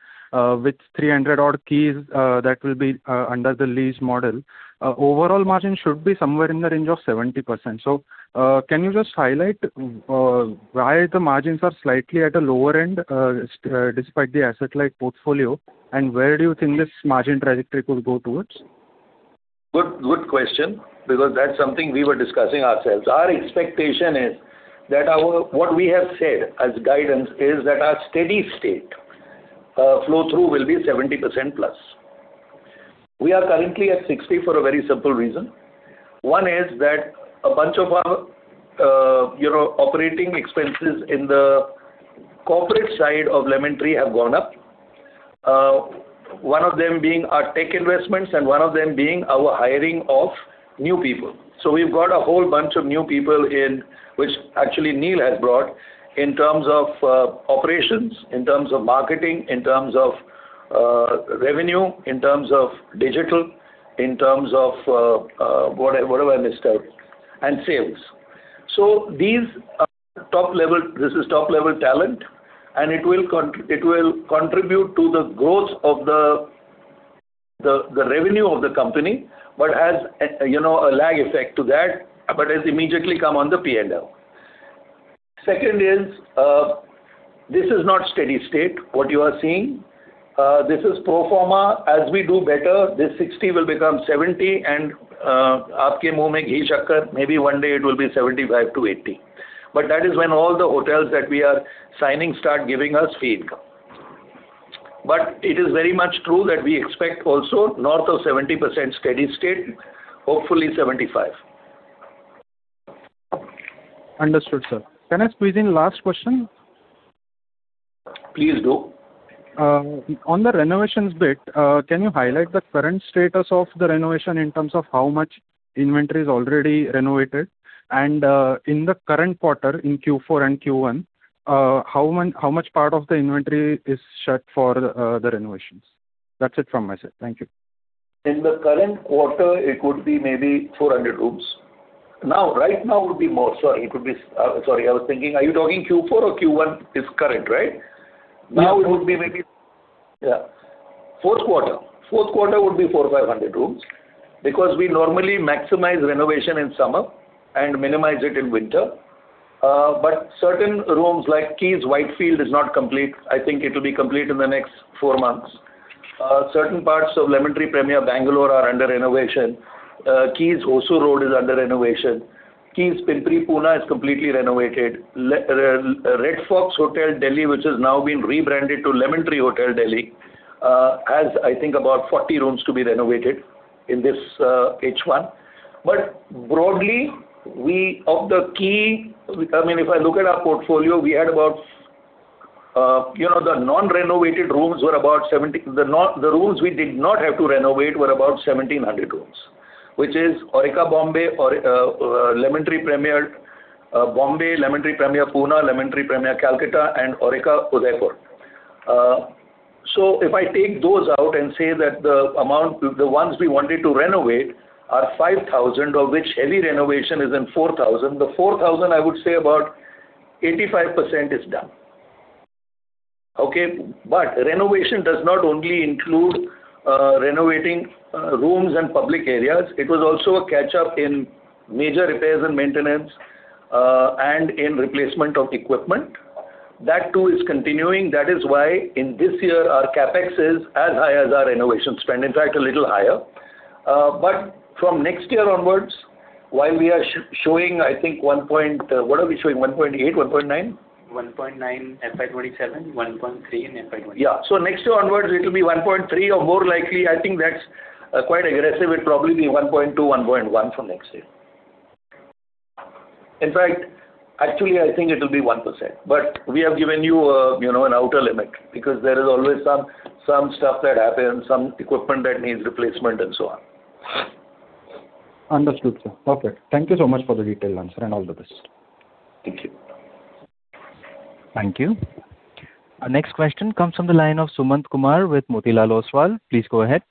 with 300 odd keys that will be under the lease model, overall margin should be somewhere in the range of 70%. Can you just highlight why the margins are slightly at a lower end despite the asset-light portfolio, and where do you think this margin trajectory could go towards? Good question, because that's something we were discussing ourselves. Our expectation is that what we have said as guidance is that our steady state flow-through will be 70% plus. We are currently at 60% for a very simple reason. One is that a bunch of our OpEx in the corporate side of Lemon Tree have gone up. One of them being our tech investments and one of them being our hiring of new people. We've got a whole bunch of new people in, which actually Neel has brought, in terms of operations, in terms of marketing, in terms of revenue, in terms of digital, in terms of whatever I missed out, and sales. This is top-level talent, and it will contribute to the growth of the revenue of the company, but has a lag effect to that, but has immediately come on the P&L. Second is, this is not steady state, what you are seeing. This is pro forma. As we do better, this 60% will become 70% and maybe one day it will be 75%-80%. That is when all the hotels that we are signing start giving us fee income. It is very much true that we expect also north of 70% steady state, hopefully 75%. Understood, sir. Can I squeeze in last question? Please do. On the renovations bit, can you highlight the current status of the renovation in terms of how much inventory is already renovated? In the current quarter, in Q4 and Q1, how much part of the inventory is shut for the renovations? That's it from my side. Thank you. In the current quarter, it could be maybe 400 rooms. Right now it would be more. Sorry. I was thinking, are you talking Q4 or Q1 is current, right? Yes. Now it would be. Yeah. Fourth quarter. Fourth quarter would be 400 or 500 rooms, because we normally maximize renovation in summer and minimize it in winter. Certain rooms like Keys Whitefield is not complete. I think it will be complete in the next four months. Certain parts of Lemon Tree Premier Bangalore are under renovation. Keys Hosur Road is under renovation. Keys Pimpri Pune is completely renovated. Red Fox Hotel Delhi, which has now been rebranded to Lemon Tree Hotel Delhi, has I think about 40 rooms to be renovated in this H1. Broadly, if I look at our portfolio, the rooms we did not have to renovate were about 1,700 rooms, which is Aurika Mumbai, Lemon Tree Premier Mumbai, Lemon Tree Premier Pune, Lemon Tree Premier Kolkata, and Aurika, Udaipur. If I take those out and say that the ones we wanted to renovate are 5,000, of which heavy renovation is in 4,000. The 4,000, I would say about 85% is done. Okay. Renovation does not only include renovating rooms and public areas. It was also a catch-up in major repairs and maintenance and in replacement of equipment. That too is continuing. That is why in this year our CapEx is as high as our renovation spend. In fact, a little higher. From next year onwards, while we are showing, I think one point What are we showing? 1.8, 1.9? 1.9 FY 2027, 1.3 in FY 2026. Yeah. Next year onwards, it will be 1.3 or more likely, I think that's quite aggressive. It'll probably be 1.2, 1.1 from next year. In fact, actually, I think it will be 1%. We have given you an outer limit because there is always some stuff that happens, some equipment that needs replacement, and so on. Understood, sir. Perfect. Thank you so much for the detailed answer. All the best. Thank you. Thank you. Our next question comes from the line of Sumant Kumar with Motilal Oswal. Please go ahead.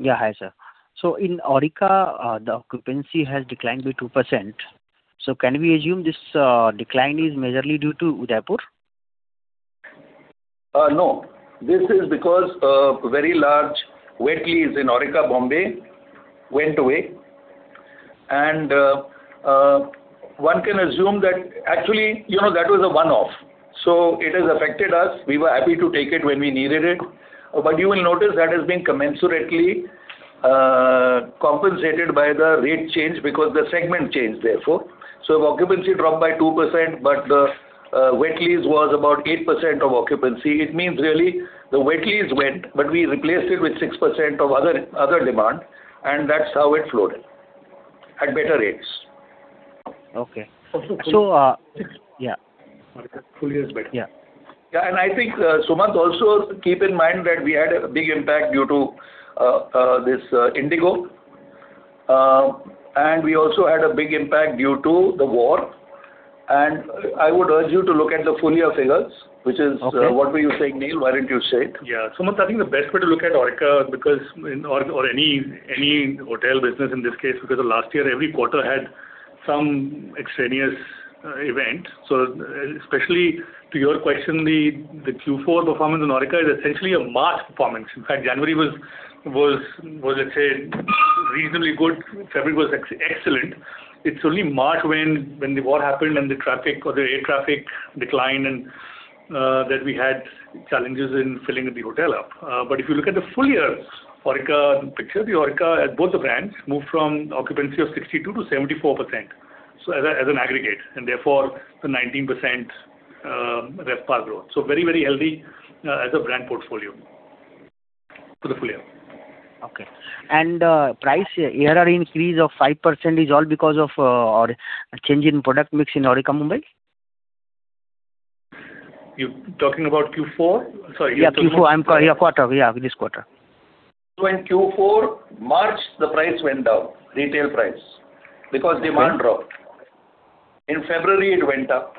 Yeah. Hi, sir. In Aurika, the occupancy has declined by 2%. Can we assume this decline is majorly due to Udaipur? No. This is because a very large wet lease in Aurika, Mumbai went away. One can assume that actually, that was a one-off. It has affected us. We were happy to take it when we needed it. You will notice that has been commensurately compensated by the rate change because the segment changed, therefore. Occupancy dropped by 2%, but the wet lease was about 8% of occupancy. It means really the wet lease went, but we replaced it with 6% of other demand, and that's how it flowed in, at better rates. Okay. Full year is better. Yeah. Yeah. I think, Sumant, also keep in mind that we had a big impact due to IndiGo, and we also had a big impact due to the war. I would urge you to look at the full year figures. What were you saying, Neel? Why don't you say it? Yeah. Sumant, I think the best way to look at Aurika, or any hotel business in this case, because the last year every quarter had some extraneous event. Especially to your question, the Q4 performance in Aurika is essentially a March performance. In fact, January was, let’s say, reasonably good. February was excellent. It’s only March when the war happened and the air traffic declined that we had challenges in filling the hotel up. If you look at the full year picture, the Aurika at both the brands moved from occupancy of 62%-74%. As an aggregate, and therefore the 19% RevPAR growth. Very healthy as a brand portfolio for the full year. Okay. Price ARR increase of 5% is all because of a change in product mix in Aurika Mumbai? You're talking about Q4? Sorry. Yeah, Q4. This quarter, yeah. In Q4, March, the price went down, retail price, because demand dropped. In February, it went up.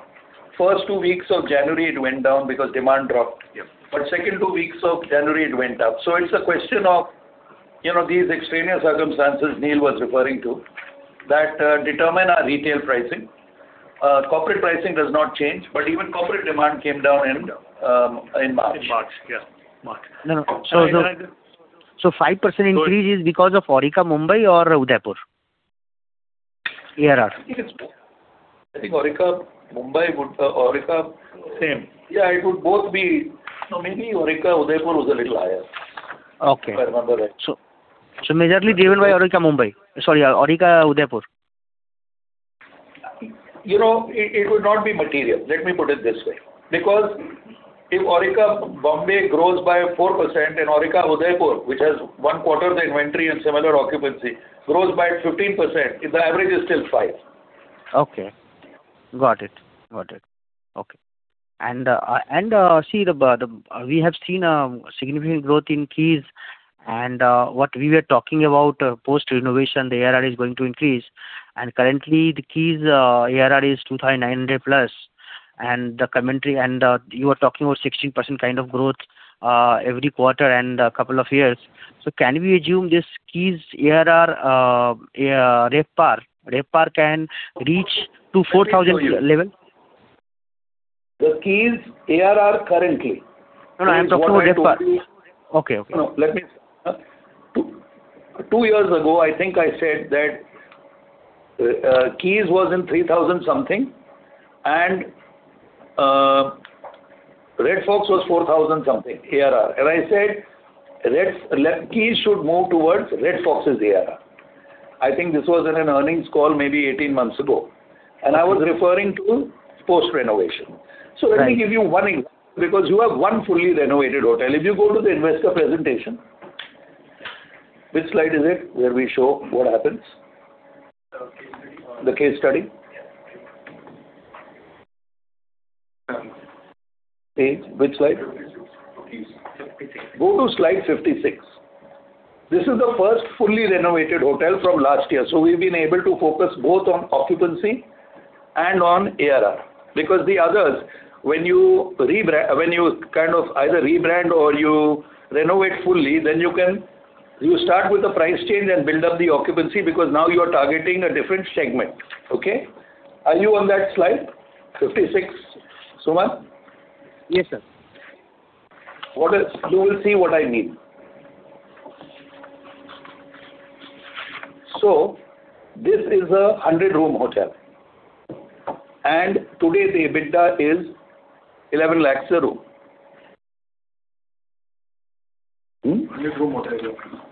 First two weeks of January it went down because demand dropped. Yep. Second two weeks of January it went up. It's a question of these extraneous circumstances Neel was referring to that determine our retail pricing. Corporate pricing does not change, but even corporate demand came down in March. In March. Yeah. March. No. 5% increase is because of Aurika Mumbai or Udaipur? ARR. I think Aurika Mumbai Aurika. Same. It would both be. Maybe Aurika, Udaipur was a little higher. Okay. If I remember right. Majorly driven by Aurika Mumbai, sorry, Aurika Udaipur. It would not be material, let me put it this way. If Aurika Mumbai grows by 4% and Aurika Udaipur, which has one quarter of the inventory and similar occupancy, grows by 15%, the average is still five. Okay. Got it. Okay. We have seen a significant growth in Keys and what we were talking about post-renovation, the ARR is going to increase. Currently the Keys ARR is 2,900+. You are talking about 16% kind of growth every quarter and a couple of years. Can we assume this Keys ARR RevPAR can reach to 4,000 level? The Keys ARR currently- No, I am talking RevPAR. Okay. Two years ago, I think I said that Keys was in 3,000 something, Red Fox was 4,000 something ARR. I said Keys should move towards Red Fox's ARR. I think this was in an earnings call maybe 18 months ago, and I was referring to post-renovation. Let me give you one example, because you have one fully renovated hotel. If you go to the investor presentation. Which slide is it where we show what happens? The case study. Page, which slide? Go to slide 56. This is the first fully renovated hotel from last year. We've been able to focus both on occupancy and on ARR. The others, when you either rebrand or you renovate fully, then you start with the price change and build up the occupancy because now you are targeting a different segment. Okay? Are you on that slide, 56, Sumant? Yes, sir. You will see what I mean. This is a 100-room hotel. Today the EBITDA is 11 lakhs a room. 100-room hotel.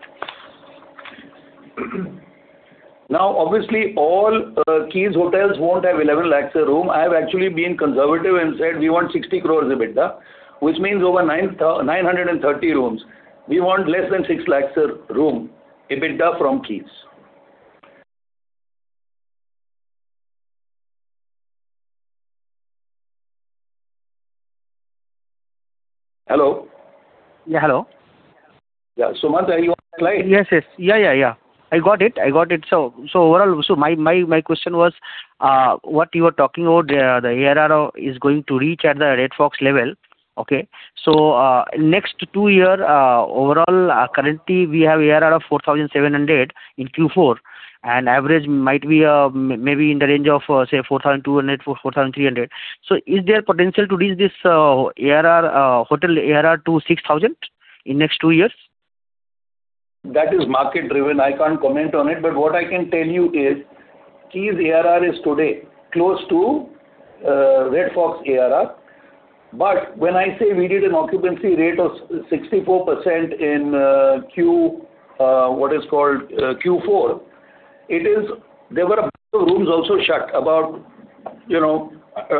Obviously, all Keys Hotels won't have 11 lakhs a room. I have actually been conservative and said we want 60 crores EBITDA, which means over 930 rooms. We want less than 6 lakhs a room EBITDA from Keys. Hello? Yeah. Hello. Yeah. Sumant, are you on that slide? Yes. I got it. My question was, what you are talking about the ARR is going to reach at the Red Fox level. Okay. Next two year, currently we have ARR of 4,700 in Q4, and average might be maybe in the range of say 4,200-4,300. Is there potential to reach this hotel ARR to 6,000 in next two years? That is market driven. I can't comment on it, what I can tell you is Keys ARR is today close to Red Fox ARR. When I say we did an occupancy rate of 64% in what is called Q4, there were a few rooms also shut.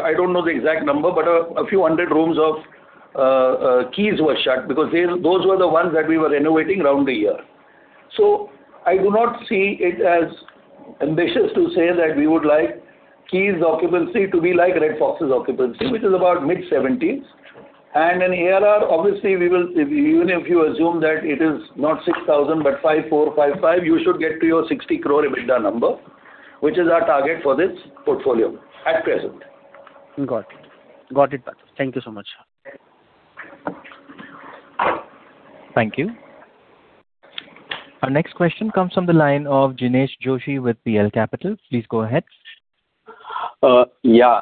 I don't know the exact number, but a few hundred rooms of Keys were shut because those were the ones that we were renovating round the year. I do not see it as ambitious to say that we would like Keys occupancy to be like Red Fox's occupancy, which is about mid-70s. In ARR, obviously, even if you assume that it is not 6,000 but 5,400, 5,500, you should get to your 60 crore EBITDA number, which is our target for this portfolio at present. Got it. Thank you so much. Thank you. Our next question comes from the line of Jinesh Joshi with Prabhudas Lilladher. Please go ahead. Yeah.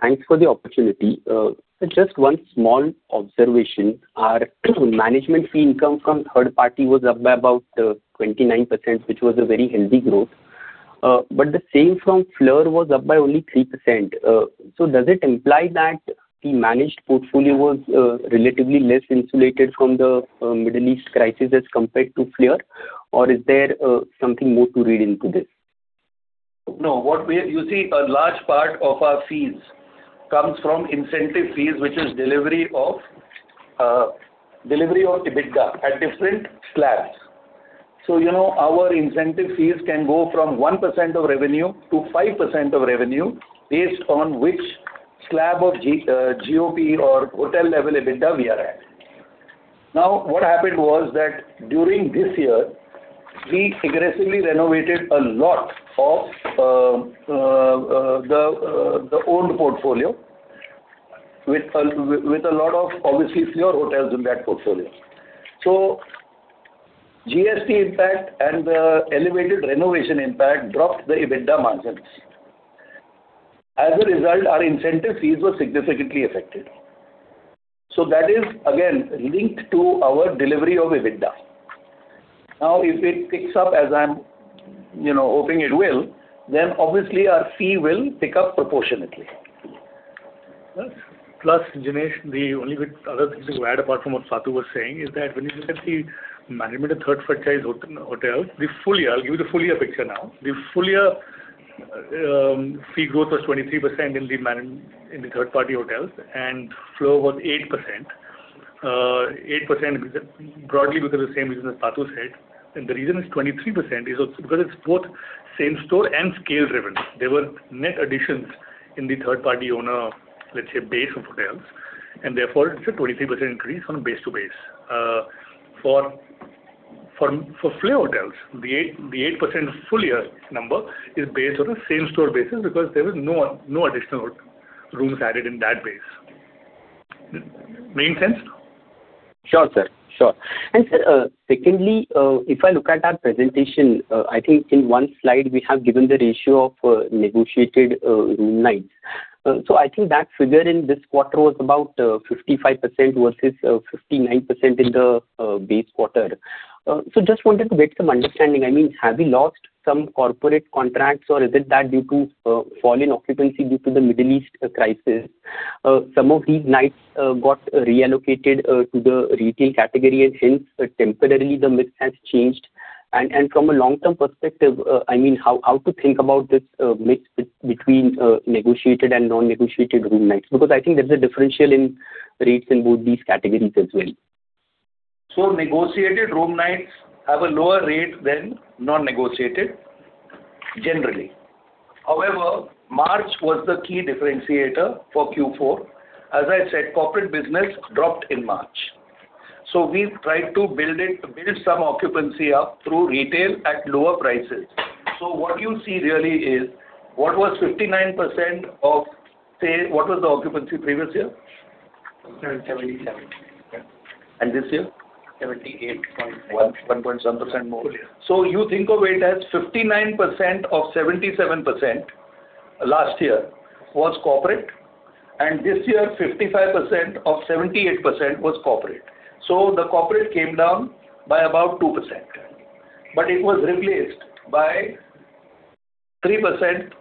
Thanks for the opportunity. Just one small observation. Our management fee income from third party was up by about 29%, which was a very healthy growth. The same from Fleur was up by only 3%. Does it imply that the managed portfolio was relatively less insulated from the Middle East crisis as compared to Fleur, or is there something more to read into this? No. You see, a large part of our fees comes from incentive fees, which is delivery of EBITDA at different slabs. Our incentive fees can go from 1% of revenue to 5% of revenue based on which slab of GOP or hotel level EBITDA we are at. What happened was that during this year, we aggressively renovated a lot of the owned portfolio with a lot of, obviously, fewer hotels in that portfolio. GST impact and the elevated renovation impact dropped the EBITDA margins. As a result, our incentive fees were significantly affected. That is again linked to our delivery of EBITDA. If it picks up as I'm hoping it will, then obviously our fee will pick up proportionately. Jinesh, the only other thing to add apart from what Patu Keswani was saying is that when you look at the management of third-party hotels, the full year, I'll give you the full year picture now. The full year fee growth was 23% in the third-party hotels, and flow was 8%, broadly because of the same reason as Patu Keswani said. The reason it's 23% is because it's both same-store and scale driven. There were net additions in the third-party owner, let's say, base of hotels, and therefore it's a 23% increase from base to base. For Fleur hotels, the 8% full year number is based on a same-store basis because there were no additional rooms added in that base. Make sense? Sure, sir. Sure. Sir, secondly, if I look at that presentation, I think in one slide we have given the ratio of negotiated room nights. I think that figure in this quarter was about 55% versus 59% in the base quarter. Just wanted to get some understanding. Have we lost some corporate contracts or is it that due to fall in occupancy due to the Middle East crisis? Some of these nights got reallocated to the retail category and hence temporarily the mix has changed. From a long-term perspective, how to think about this mix between negotiated and non-negotiated room nights? Because I think there's a differential in rates in both these categories as well. Negotiated room nights have a lower rate than non-negotiated, generally. However, March was the key differentiator for Q4. As I said, corporate business dropped in March. We tried to build some occupancy up through retail at lower prices. What you see really is what was 59%. What was the occupancy previous year? 77%. This year? 78.1%? 1% more. You think of it as 59% of 77% last year was corporate, and this year, 55% of 78% was corporate. The corporate came down by about 2%, but it was replaced by 3%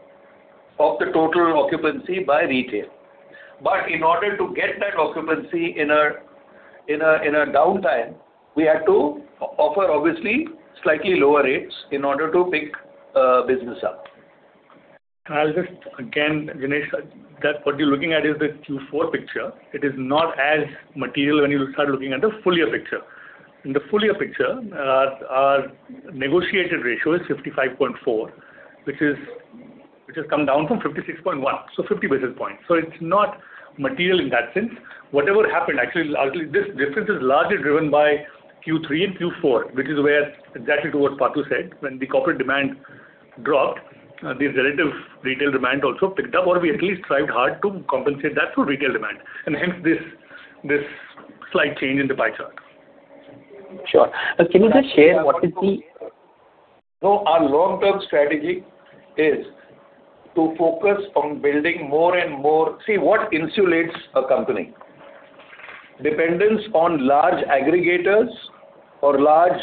of the total occupancy by retail. In order to get that occupancy in a downtime, we had to offer obviously slightly lower rates in order to pick business up. I'll just, again, Jinesh, that what you're looking at is the Q4 picture. It is not as material when you start looking at the full year picture. In the full year picture, our negotiated ratio is 55.4, which has come down from 56.1, so 50 basis points. It's not material in that sense. Whatever happened, actually, this difference is largely driven by Q3 and Q4, which is where exactly to what Patu said, when the corporate demand dropped, the relative retail demand also picked up, or we at least tried hard to compensate that through retail demand, and hence this slight change in the pie chart. Sure. Can you just share what is the- No. Our long-term strategy is to focus on building more and more. What insulates a company? Dependence on large aggregators or large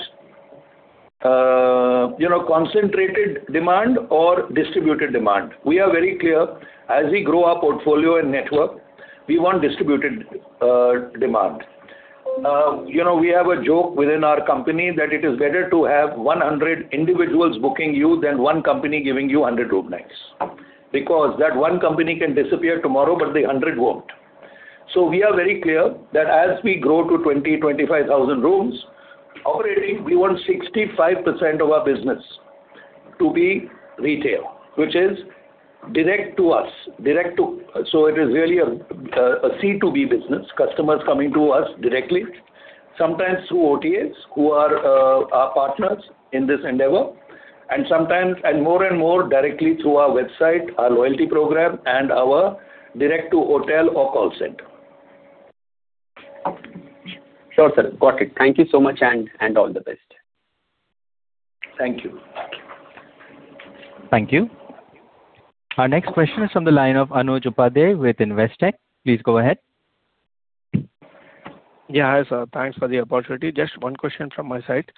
concentrated demand or distributed demand. We are very clear, as we grow our portfolio and network, we want distributed demand. We have a joke within our company that it is better to have 100 individuals booking you than one company giving you 100 room nights. Because that one company can disappear tomorrow, but the 100 won't. We are very clear that as we grow to 20,000, 25,000 rooms operating, we want 65% of our business to be retail, which is direct to us. It is really a C2B business, customers coming to us directly, sometimes through OTAs, who are our partners in this endeavor, and more and more directly through our website, our loyalty program, and our direct to hotel or call center. Sure, sir. Got it. Thank you so much, and all the best. Thank you. Thank you. Our next question is from the line of Anuj Upadhyay with Investec. Please go ahead. Yeah. Hi, sir. Thanks for the opportunity. Just one question from my side.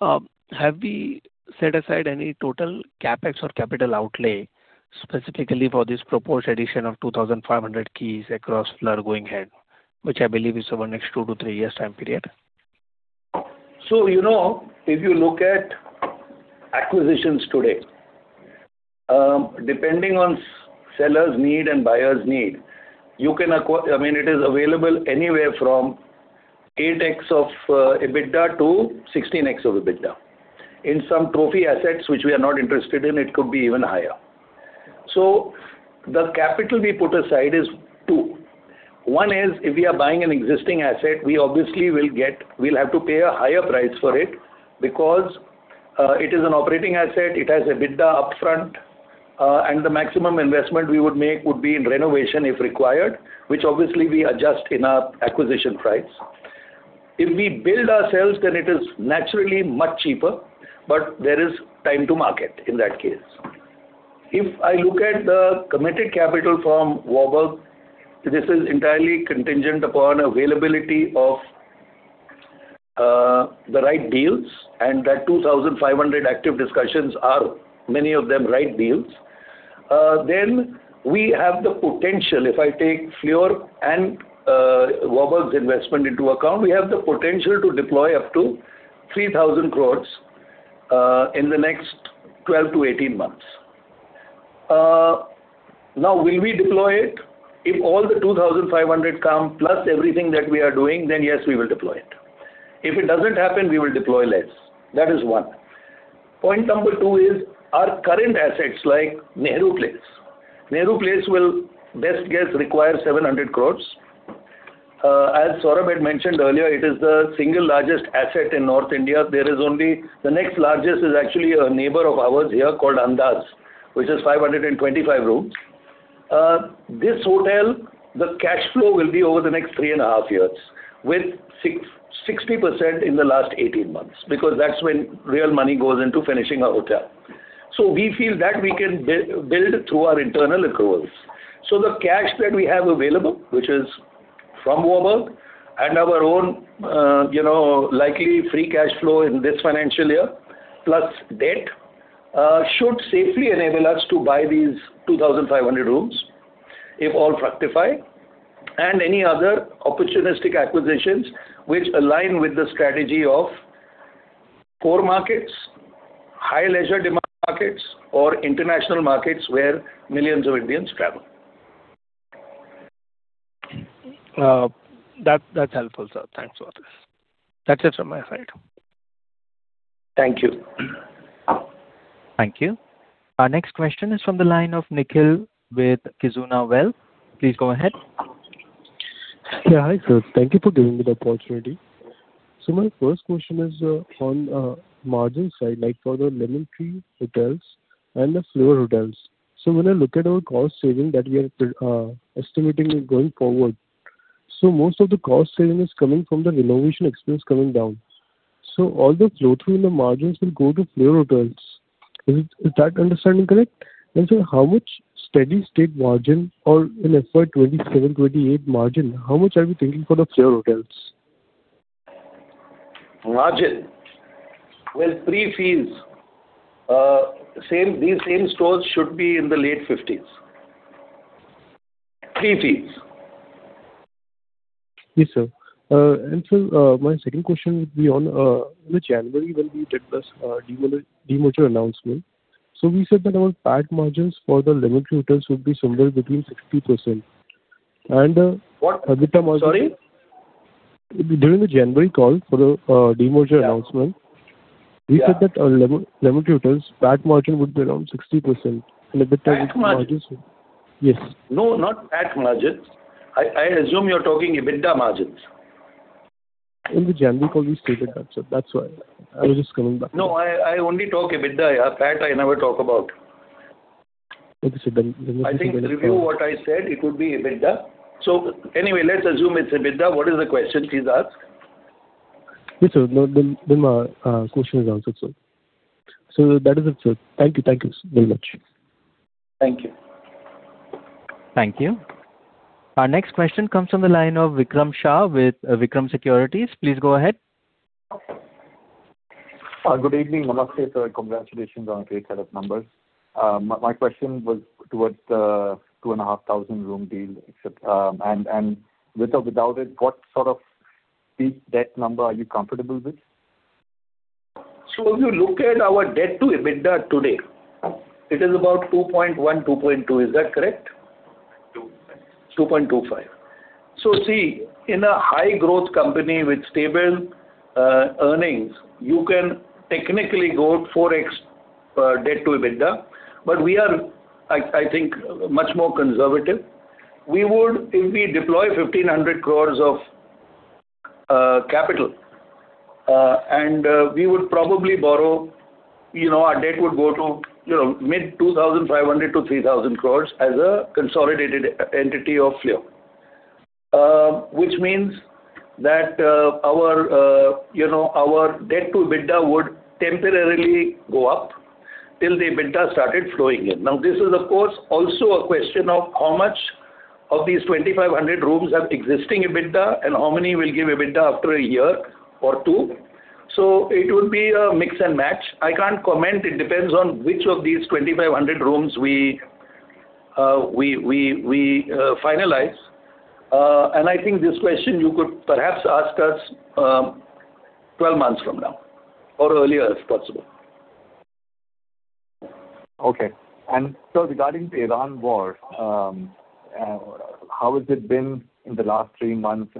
Have we set aside any total CapEx or capital outlay specifically for this proposed addition of 2,500 keys across Fleur going ahead, which I believe is over the next two to three years time period? If you look at acquisitions today, depending on seller's need and buyer's need, it is available anywhere from 8x of EBITDA to 16x of EBITDA. In some trophy assets, which we are not interested in, it could be even higher. The capital we put aside is two. One is, if we are buying an existing asset, we obviously will have to pay a higher price for it because it is an operating asset, it has EBITDA upfront, and the maximum investment we would make would be in renovation if required, which obviously we adjust in our acquisition price. If we build ourselves, then it is naturally much cheaper, but there is time to market in that case. If I look at the committed capital from Warburg, this is entirely contingent upon availability of the right deals, and that 2,500 active discussions are many of them right deals. We have the potential. If I take Fleur and Warburg's investment into account, we have the potential to deploy up to 3,000 crore in the next 12 to 18 months. Will we deploy it? If all the 2,500 come, plus everything that we are doing, then yes, we will deploy it. If it doesn't happen, we will deploy less. That is one. Point number two is our current assets like Nehru Place. Nehru Place will best guess require 700 crore. As Saurabh had mentioned earlier, it is the single largest asset in North India. The next largest is actually a neighbor of ours here called Andaz, which has 525 rooms. This hotel, the cash flow will be over the next three and a half years, with 60% in the last 18 months, because that's when real money goes into finishing a hotel. We feel that we can build through our internal accruals. The cash that we have available, which is from Warburg and our own likely free cash flow in this financial year, plus debt, should safely enable us to buy these 2,500 rooms if all fructify, and any other opportunistic acquisitions which align with the strategy of core markets, high leisure demand markets, or international markets where millions of Indians travel. That's helpful, sir. Thanks for this. That's it from my side. Thank you. Thank you. Our next question is from the line of Nikhil with Kizuna Wealth. Please go ahead. Yeah. Hi, sir. Thank you for giving me the opportunity. My first question is on margin side, like for the Lemon Tree Hotels and the Fleur Hotels. When I look at our cost saving that we are estimating going forward, so most of the cost saving is coming from the renovation expense coming down. All the flow through in the margins will go to Fleur Hotels. Is that understanding correct? Sir, how much steady state margin or in FY 2027, 2028 margin, how much are we thinking for the Fleur Hotels? Margin. Well, pre-fees, these same stores should be in the late 50s. Pre-fees. Yes, sir. Sir, my second question would be on in the January when we did the demerger announcement. We said that our PAT margins for the Lemon Tree Hotels would be somewhere between 60% and the EBITDA margin- What, sorry? During the January call for the demerger announcement. Yeah we said that our Lemon Tree Hotels PAT margin would be around 60% and EBITDA- PAT margins? Yes. No, not PAT margins. I assume you're talking EBITDA margins. In the January call we stated that, sir. That's why I was just coming back to that. No, I only talk EBITDA. PAT I never talk about. Okay. Sir. I think review what I said, it would be EBITDA. Anyway, let's assume it's EBITDA. What is the question please ask? Yes, sir. No. My question is answered, sir. That is it, sir. Thank you. Thank you very much. Thank you. Thank you. Our next question comes from the line of Vikram Shah with Vikram Securities. Please go ahead. Good evening. Namaste, sir. Congratulations on a great set of numbers. My question was towards the 2,500 room deal, et cetera. With or without it, what sort of peak debt number are you comfortable with? If you look at our debt to EBITDA today, it is about 2.1, 2.2. Is that correct? 2.25. 2.25. See, in a high growth company with stable earnings, you can technically go 4X debt to EBITDA. We are, I think, much more conservative. If we deploy 1,500 crores of capital, and we would probably borrow, our debt would go to mid 2,500-3,000 crores as a consolidated entity of Fleur. Which means that our debt to EBITDA would temporarily go up till the EBITDA started flowing in. This is of course, also a question of how much of these 2,500 rooms have existing EBITDA and how many will give EBITDA after a year or two. It would be a mix and match. I can't comment. It depends on which of these 2,500 rooms we finalize. I think this question you could perhaps ask us 12 months from now, or earlier if possible. Okay. Regarding the Iran war, how has it been in the last three months?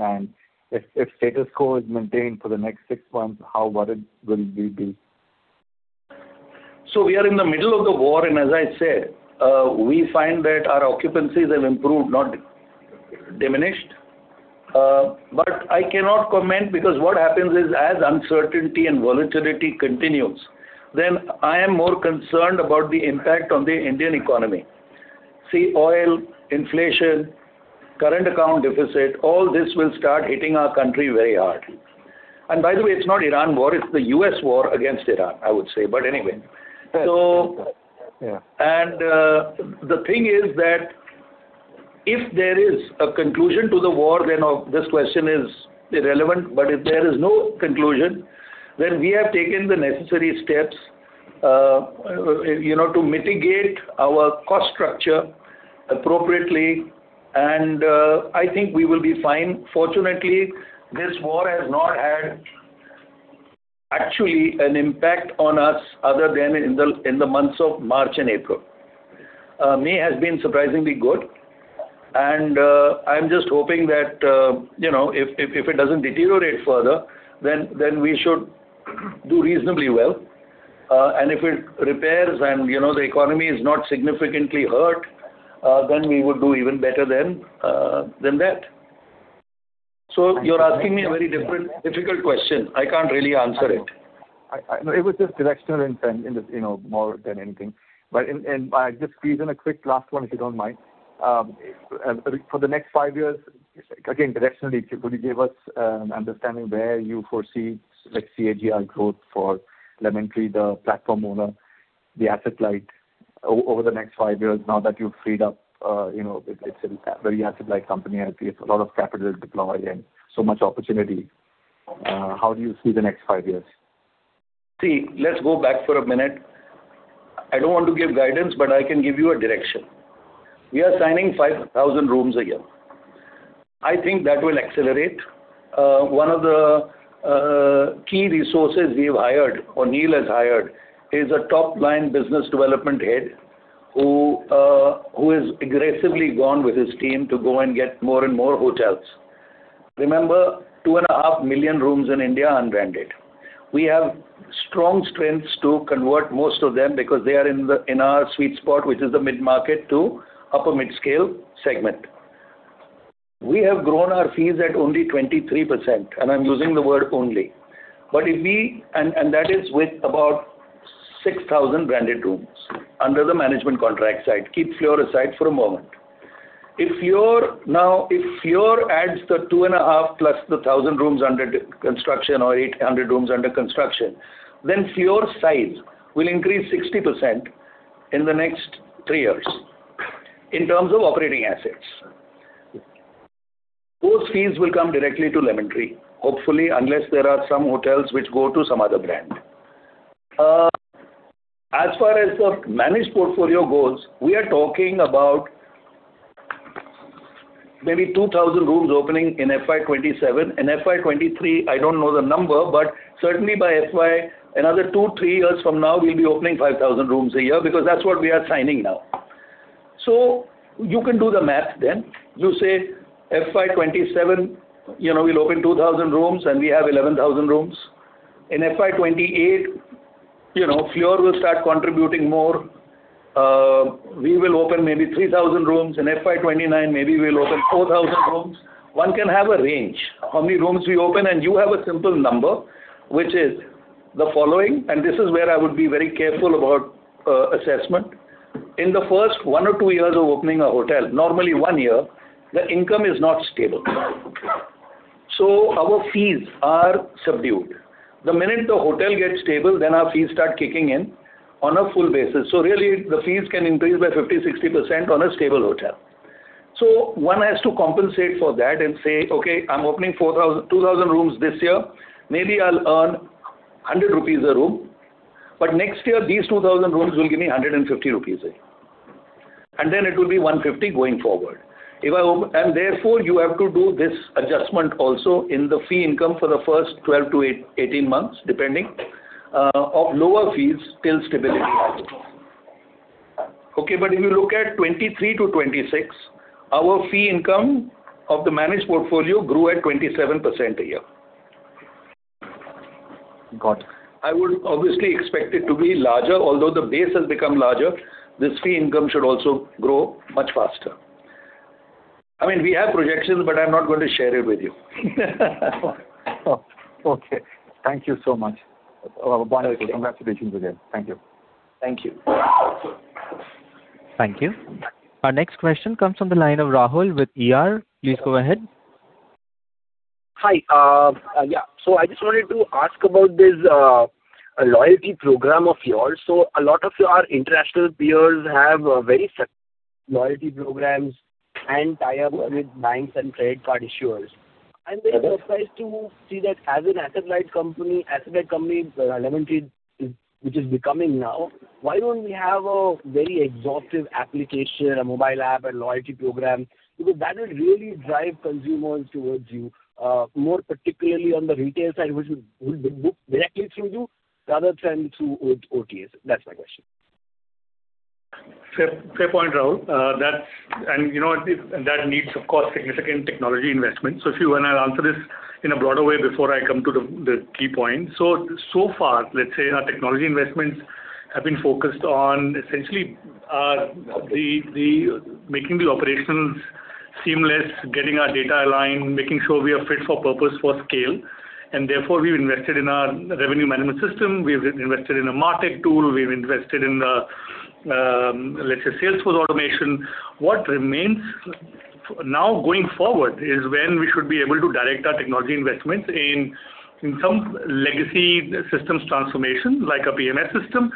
If status quo is maintained for the next six months, how worried will we be? We are in the middle of the war, and as I said, we find that our occupancies have improved, not diminished. I cannot comment because what happens is as uncertainty and volatility continues, then I am more concerned about the impact on the Indian economy. Oil, inflation, current account deficit, all this will start hitting our country very hard. By the way, it's not Iran War, it's the U.S. War against Iran, I would say. Anyway. Yeah. The thing is that if there is a conclusion to the war, then this question is irrelevant. If there is no conclusion, then we have taken the necessary steps to mitigate our cost structure appropriately, and I think we will be fine. Fortunately, this war has not had actually an impact on us other than in the months of March and April. May has been surprisingly good, and I'm just hoping that if it doesn't deteriorate further, then we should do reasonably well. If it repairs and the economy is not significantly hurt, then we would do even better than that. You're asking me a very difficult question. I can't really answer it. No, it was just directional intent more than anything. Just squeezing a quick last one, if you don't mind. For the next five years, again, directionally, could you give us an understanding where you foresee CAGR growth for Lemon Tree, the platform owner, the asset light over the next five years now that you've freed up. It's a very asset light company, I feel. It's a lot of capital deployed and so much opportunity. How do you see the next five years? See, let's go back for a minute. I don't want to give guidance, but I can give you a direction. We are signing 5,000 rooms a year. I think that will accelerate. One of the key resources we've hired, or Neel has hired, is a top-line business development head who has aggressively gone with his team to go and get more and more hotels. Remember, 2.5 million rooms in India are unbranded. We have strong strengths to convert most of them because they are in our sweet spot, which is the mid-market to upper mid-scale segment. We have grown our fees at only 23%, I'm using the word only. That is with about 6,000 branded rooms under the management contract side. Keep Fleur aside for a moment. If Fleur adds the 2.5 plus the 1,000 rooms under construction or 800 rooms under construction, then Fleur's size will increase 60% in the next three years in terms of operating assets. Those fees will come directly to Lemon Tree, hopefully, unless there are some hotels which go to some other brand. As far as the managed portfolio goes, we are talking about maybe 2,000 rooms opening in FY 2027. In FY 2023, I don't know the number, but certainly by FY another two, three years from now, we'll be opening 5,000 rooms a year because that's what we are signing now. You can do the math then. You say FY 2027, we'll open 2,000 rooms, and we have 11,000 rooms. In FY 2028, Fleur will start contributing more. We will open maybe 3,000 rooms. In FY 2029, maybe we'll open 4,000 rooms. One can have a range how many rooms we open. You have a simple number, which is the following. This is where I would be very careful about assessment. In the first one or two years of opening a hotel, normally one year, the income is not stable. Our fees are subdued. The minute the hotel gets stable, our fees start kicking in on a full basis. Really, the fees can increase by 50%, 60% on a stable hotel. One has to compensate for that and say, "Okay, I'm opening 2,000 rooms this year. Maybe I'll earn 100 rupees a room. Next year, these 2,000 rooms will give me 150 rupees a year." Then it will be 150 going forward. Therefore, you have to do this adjustment also in the fee income for the first 12 to 18 months, depending, of lower fees till stability happens. Okay, if you look at 2023-2026, our fee income of the managed portfolio grew at 27% a year. Got it. I would obviously expect it to be larger. The base has become larger, this fee income should also grow much faster. We have projections, I'm not going to share it with you. Okay. Thank you so much. Okay. Congratulations again. Thank you. Thank you. Thank you. Our next question comes from the line of Rahul with ER. Please go ahead. Hi. I just wanted to ask about this loyalty program of yours. A lot of your international peers have very successful loyalty programs and tie-ups with banks and credit card issuers. I'm very surprised to see that as an asset light company, Lemon Tree, which is becoming now, why don't we have a very exhaustive application, a mobile app, a loyalty program? That will really drive consumers towards you, more particularly on the retail side, which would book directly through you rather than through OTAs. That's my question. Fair point, Rahul. That needs, of course, significant technology investment. If you-- and I'll answer this in a broader way before I come to the key point. Far, let's say our technology investments have been focused on essentially making the operations seamless, getting our data aligned, making sure we are fit for purpose for scale, and therefore we've invested in our revenue management system, we've invested in a martech tool, we've invested in the, let's say, sales force automation. What remains now going forward is when we should be able to direct our technology investments in some legacy systems transformation, like a PMS system,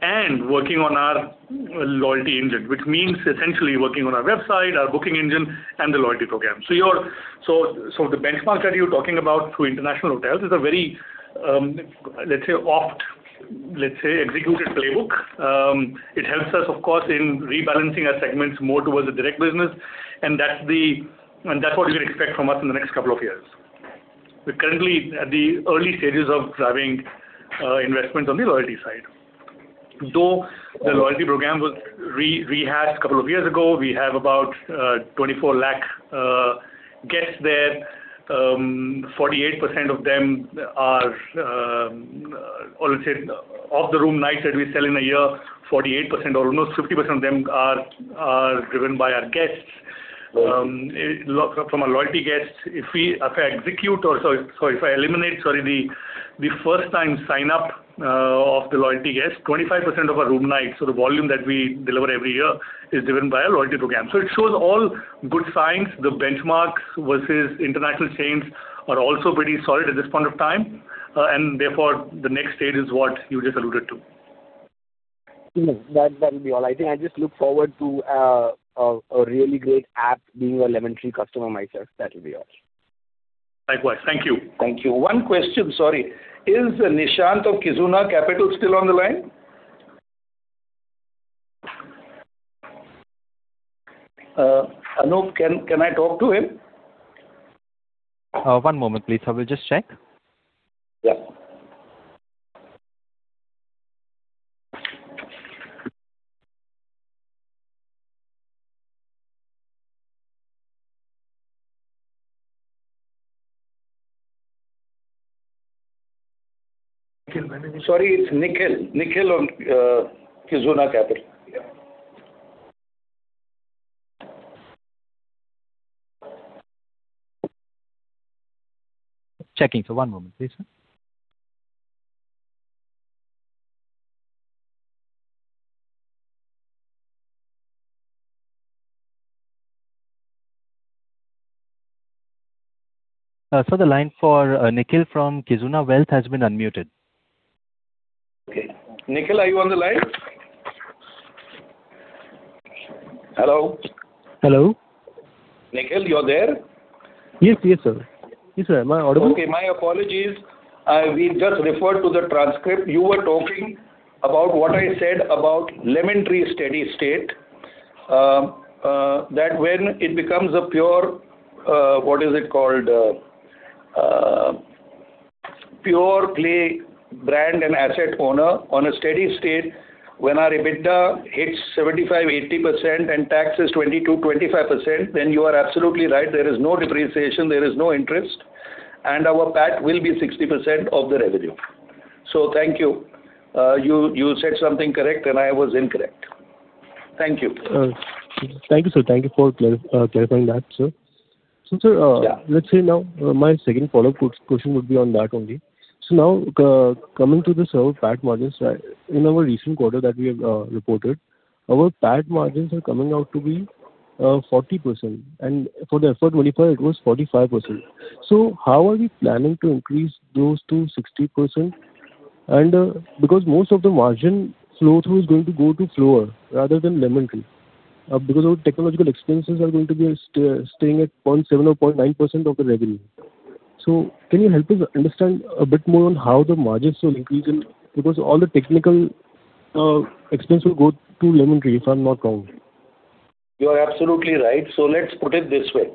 and working on our loyalty engine, which means essentially working on our website, our booking engine, and the loyalty program. The benchmark that you're talking about through international hotels is a very, let's say, oft-executed playbook. It helps us, of course, in rebalancing our segments more towards the direct business, and that's what you can expect from us in the next couple of years. We're currently at the early stages of driving investments on the loyalty side. Though the loyalty program was rehashed a couple of years ago, we have about 24 lakh guests there. 48% of them or let's say of the room nights that we sell in a year, 48% or almost 50% of them are driven by our guests. Okay. From our loyalty guests. If I eliminate the first-time sign-up of the loyalty guests, 25% of our room nights, so the volume that we deliver every year, is driven by our loyalty program. It shows all good signs. The benchmarks versus international chains are also pretty solid at this point of time. Therefore, the next stage is what you just alluded to. No. That'll be all. I think I just look forward to a really great app being a Lemon Tree customer myself. That will be all. Likewise. Thank you. Thank you. One question, sorry. Is Nishant of Kizuna Wealth still on the line? Anoop, can I talk to him? One moment please. I will just check. Yeah. Sorry, it's Nikhil. Nikhil from Kizuna Wealth. Yeah. Checking, sir. One moment please. Sir, the line for Nikhil from Kizuna Wealth has been unmuted. Okay. Nikhil, are you on the line? Hello? Hello. Nikhil, you're there? Yes, sir. Am I audible? Okay. My apologies. We just referred to the transcript. You were talking about what I said about Lemon Tree steady state, that when it becomes a pure, what is it called? Pure-play brand and asset owner on a steady state when our EBITDA hits 75%, 80% and tax is 20%-25%, then you are absolutely right. There is no depreciation, there is no interest. Our PAT will be 60% of the revenue. Thank you. You said something correct. I was incorrect. Thank you. Thank you, sir. Thank you for clarifying that, sir. Yeah. Sir, let's say now my second follow-up question would be on that only. Now coming to the PAT margins in our recent quarter that we have reported, our PAT margins are coming out to be 40%. For the Q4 it was 45%. How are we planning to increase those to 60%? Because most of the margin flow-through is going to go to Fleur rather than Lemon Tree because our technological expenses are going to be staying at 0.7% or 0.9% of the revenue. Can you help us understand a bit more on how the margins will increase because all the technical expense will go to Lemon Tree if I'm not wrong? You are absolutely right. Let's put it this way.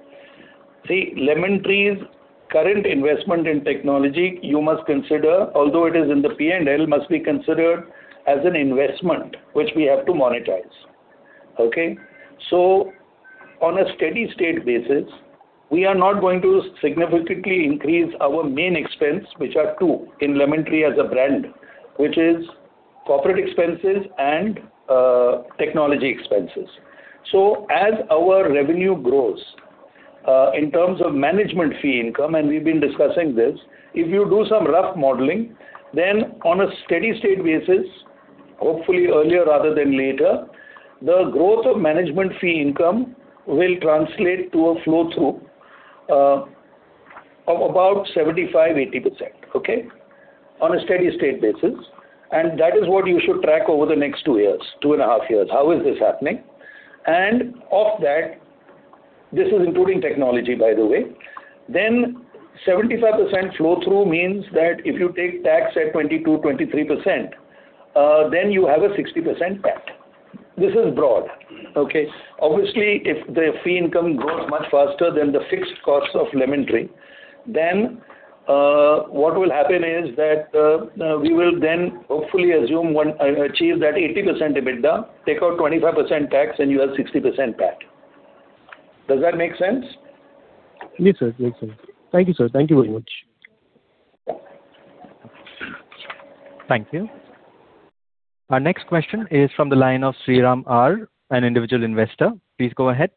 See, Lemon Tree's current investment in technology you must consider, although it is in the P&L, must be considered as an investment which we have to monetize. Okay. On a steady state basis, we are not going to significantly increase our main expense, which are two in Lemon Tree as a brand. Which is corporate expenses and technology expenses. As our revenue grows in terms of management fee income, and we've been discussing this, if you do some rough modeling, then on a steady state basis, hopefully earlier rather than later, the growth of management fee income will translate to a flow-through of about 75%-80%. Okay. On a steady state basis, that is what you should track over the next two years, two and a half years. How is this happening? Of that, this is including technology, by the way, then 75% flow through means that if you take tax at 22%, 23%, then you have a 60% PAT. This is broad. Okay. Obviously, if the fee income grows much faster than the fixed costs of Lemon Tree, then what will happen is that we will then hopefully achieve that 80% EBITDA, take out 25% tax, and you have 60% PAT. Does that make sense? Yes, sir. Makes sense. Thank you, sir. Thank you very much. Thank you. Our next question is from the line of Sriram R, an individual investor. Please go ahead.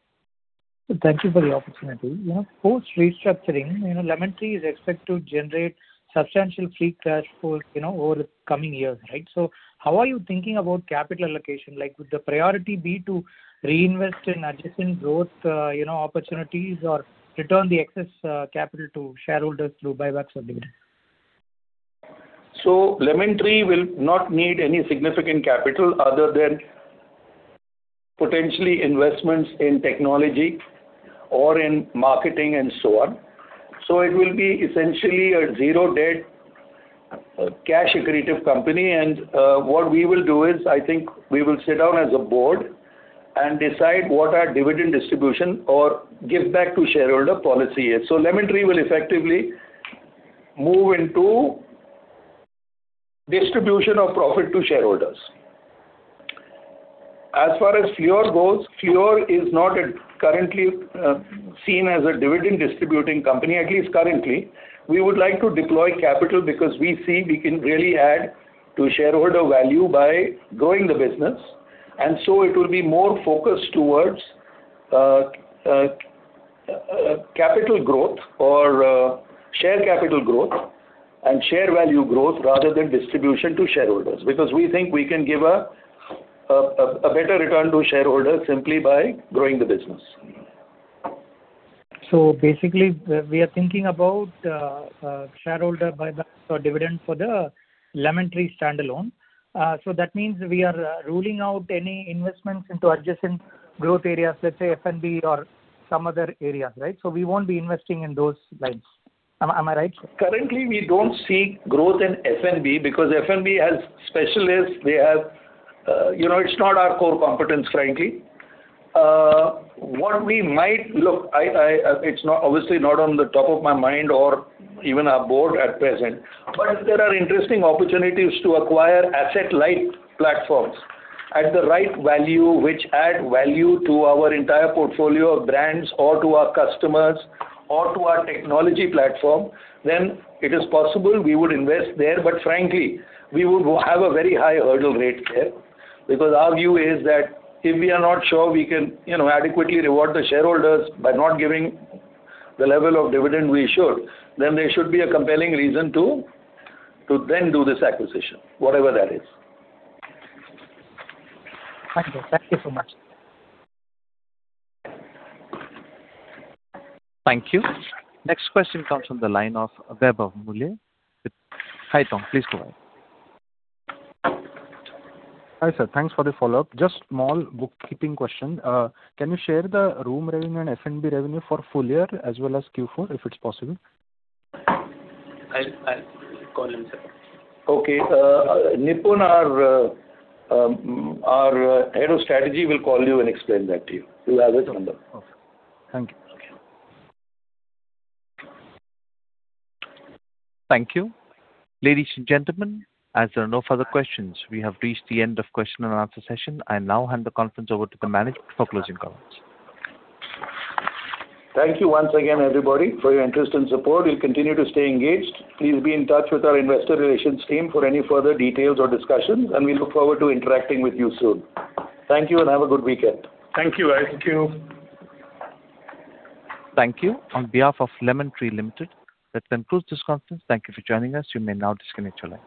Thank you for the opportunity. Post-restructuring, Lemon Tree is expected to generate substantial free cash flow over the coming years. Right? How are you thinking about capital allocation? Would the priority be to reinvest in adjacent growth opportunities or return the excess capital to shareholders through buybacks or dividends? Lemon Tree will not need any significant capital other than potentially investments in technology or in marketing and so on. It will be essentially a zero-debt, cash accretive company. What we will do is I think we will sit down as a board and decide what our dividend distribution or give back to shareholder policy is. Lemon Tree will effectively move into distribution of profit to shareholders. As far as Fleur goes, Fleur is not currently seen as a dividend distributing company, at least currently. We would like to deploy capital because we see we can really add to shareholder value by growing the business, and so it will be more focused towards capital growth or share capital growth and share value growth rather than distribution to shareholders. We think we can give a better return to shareholders simply by growing the business. Basically, we are thinking about shareholder buyback or dividend for the Lemon Tree standalone. That means we are ruling out any investments into adjacent growth areas, let's say F&B or some other areas. Right? We won't be investing in those lines. Am I right? Currently, we don't see growth in F&B because F&B has specialists. It's not our core competence, frankly. It's obviously not on the top of my mind or even our board at present. If there are interesting opportunities to acquire asset-light platforms at the right value, which add value to our entire portfolio of brands or to our customers or to our technology platform, then it is possible we would invest there. Frankly, we would have a very high hurdle rate there, because our view is that if we are not sure we can adequately reward the shareholders by not giving the level of dividend we should, then there should be a compelling reason to then do this acquisition, whatever that is. Thank you. Thank you so much. Thank you. Next question comes from the line of Vaibhav Muley with Haitong. Please go ahead. Hi, sir. Thanks for the follow-up. Just a small bookkeeping question. Can you share the room revenue and F&B revenue for full year as well as Q4, if it's possible? I'll call him, sir. Okay. Nipun, our Head of Strategy, will call you and explain that to you. He has the numbers. Okay. Thank you. Okay. Thank you. Ladies and gentlemen, as there are no further questions, we have reached the end of question and answer session. I now hand the conference over to the management for closing comments. Thank you once again, everybody, for your interest and support. We'll continue to stay engaged. Please be in touch with our investor relations team for any further details or discussions, and we look forward to interacting with you soon. Thank you and have a good weekend. Thank you. Thank you. On behalf of Lemon Tree Limited, that concludes this conference. Thank you for joining us. You may now disconnect your line.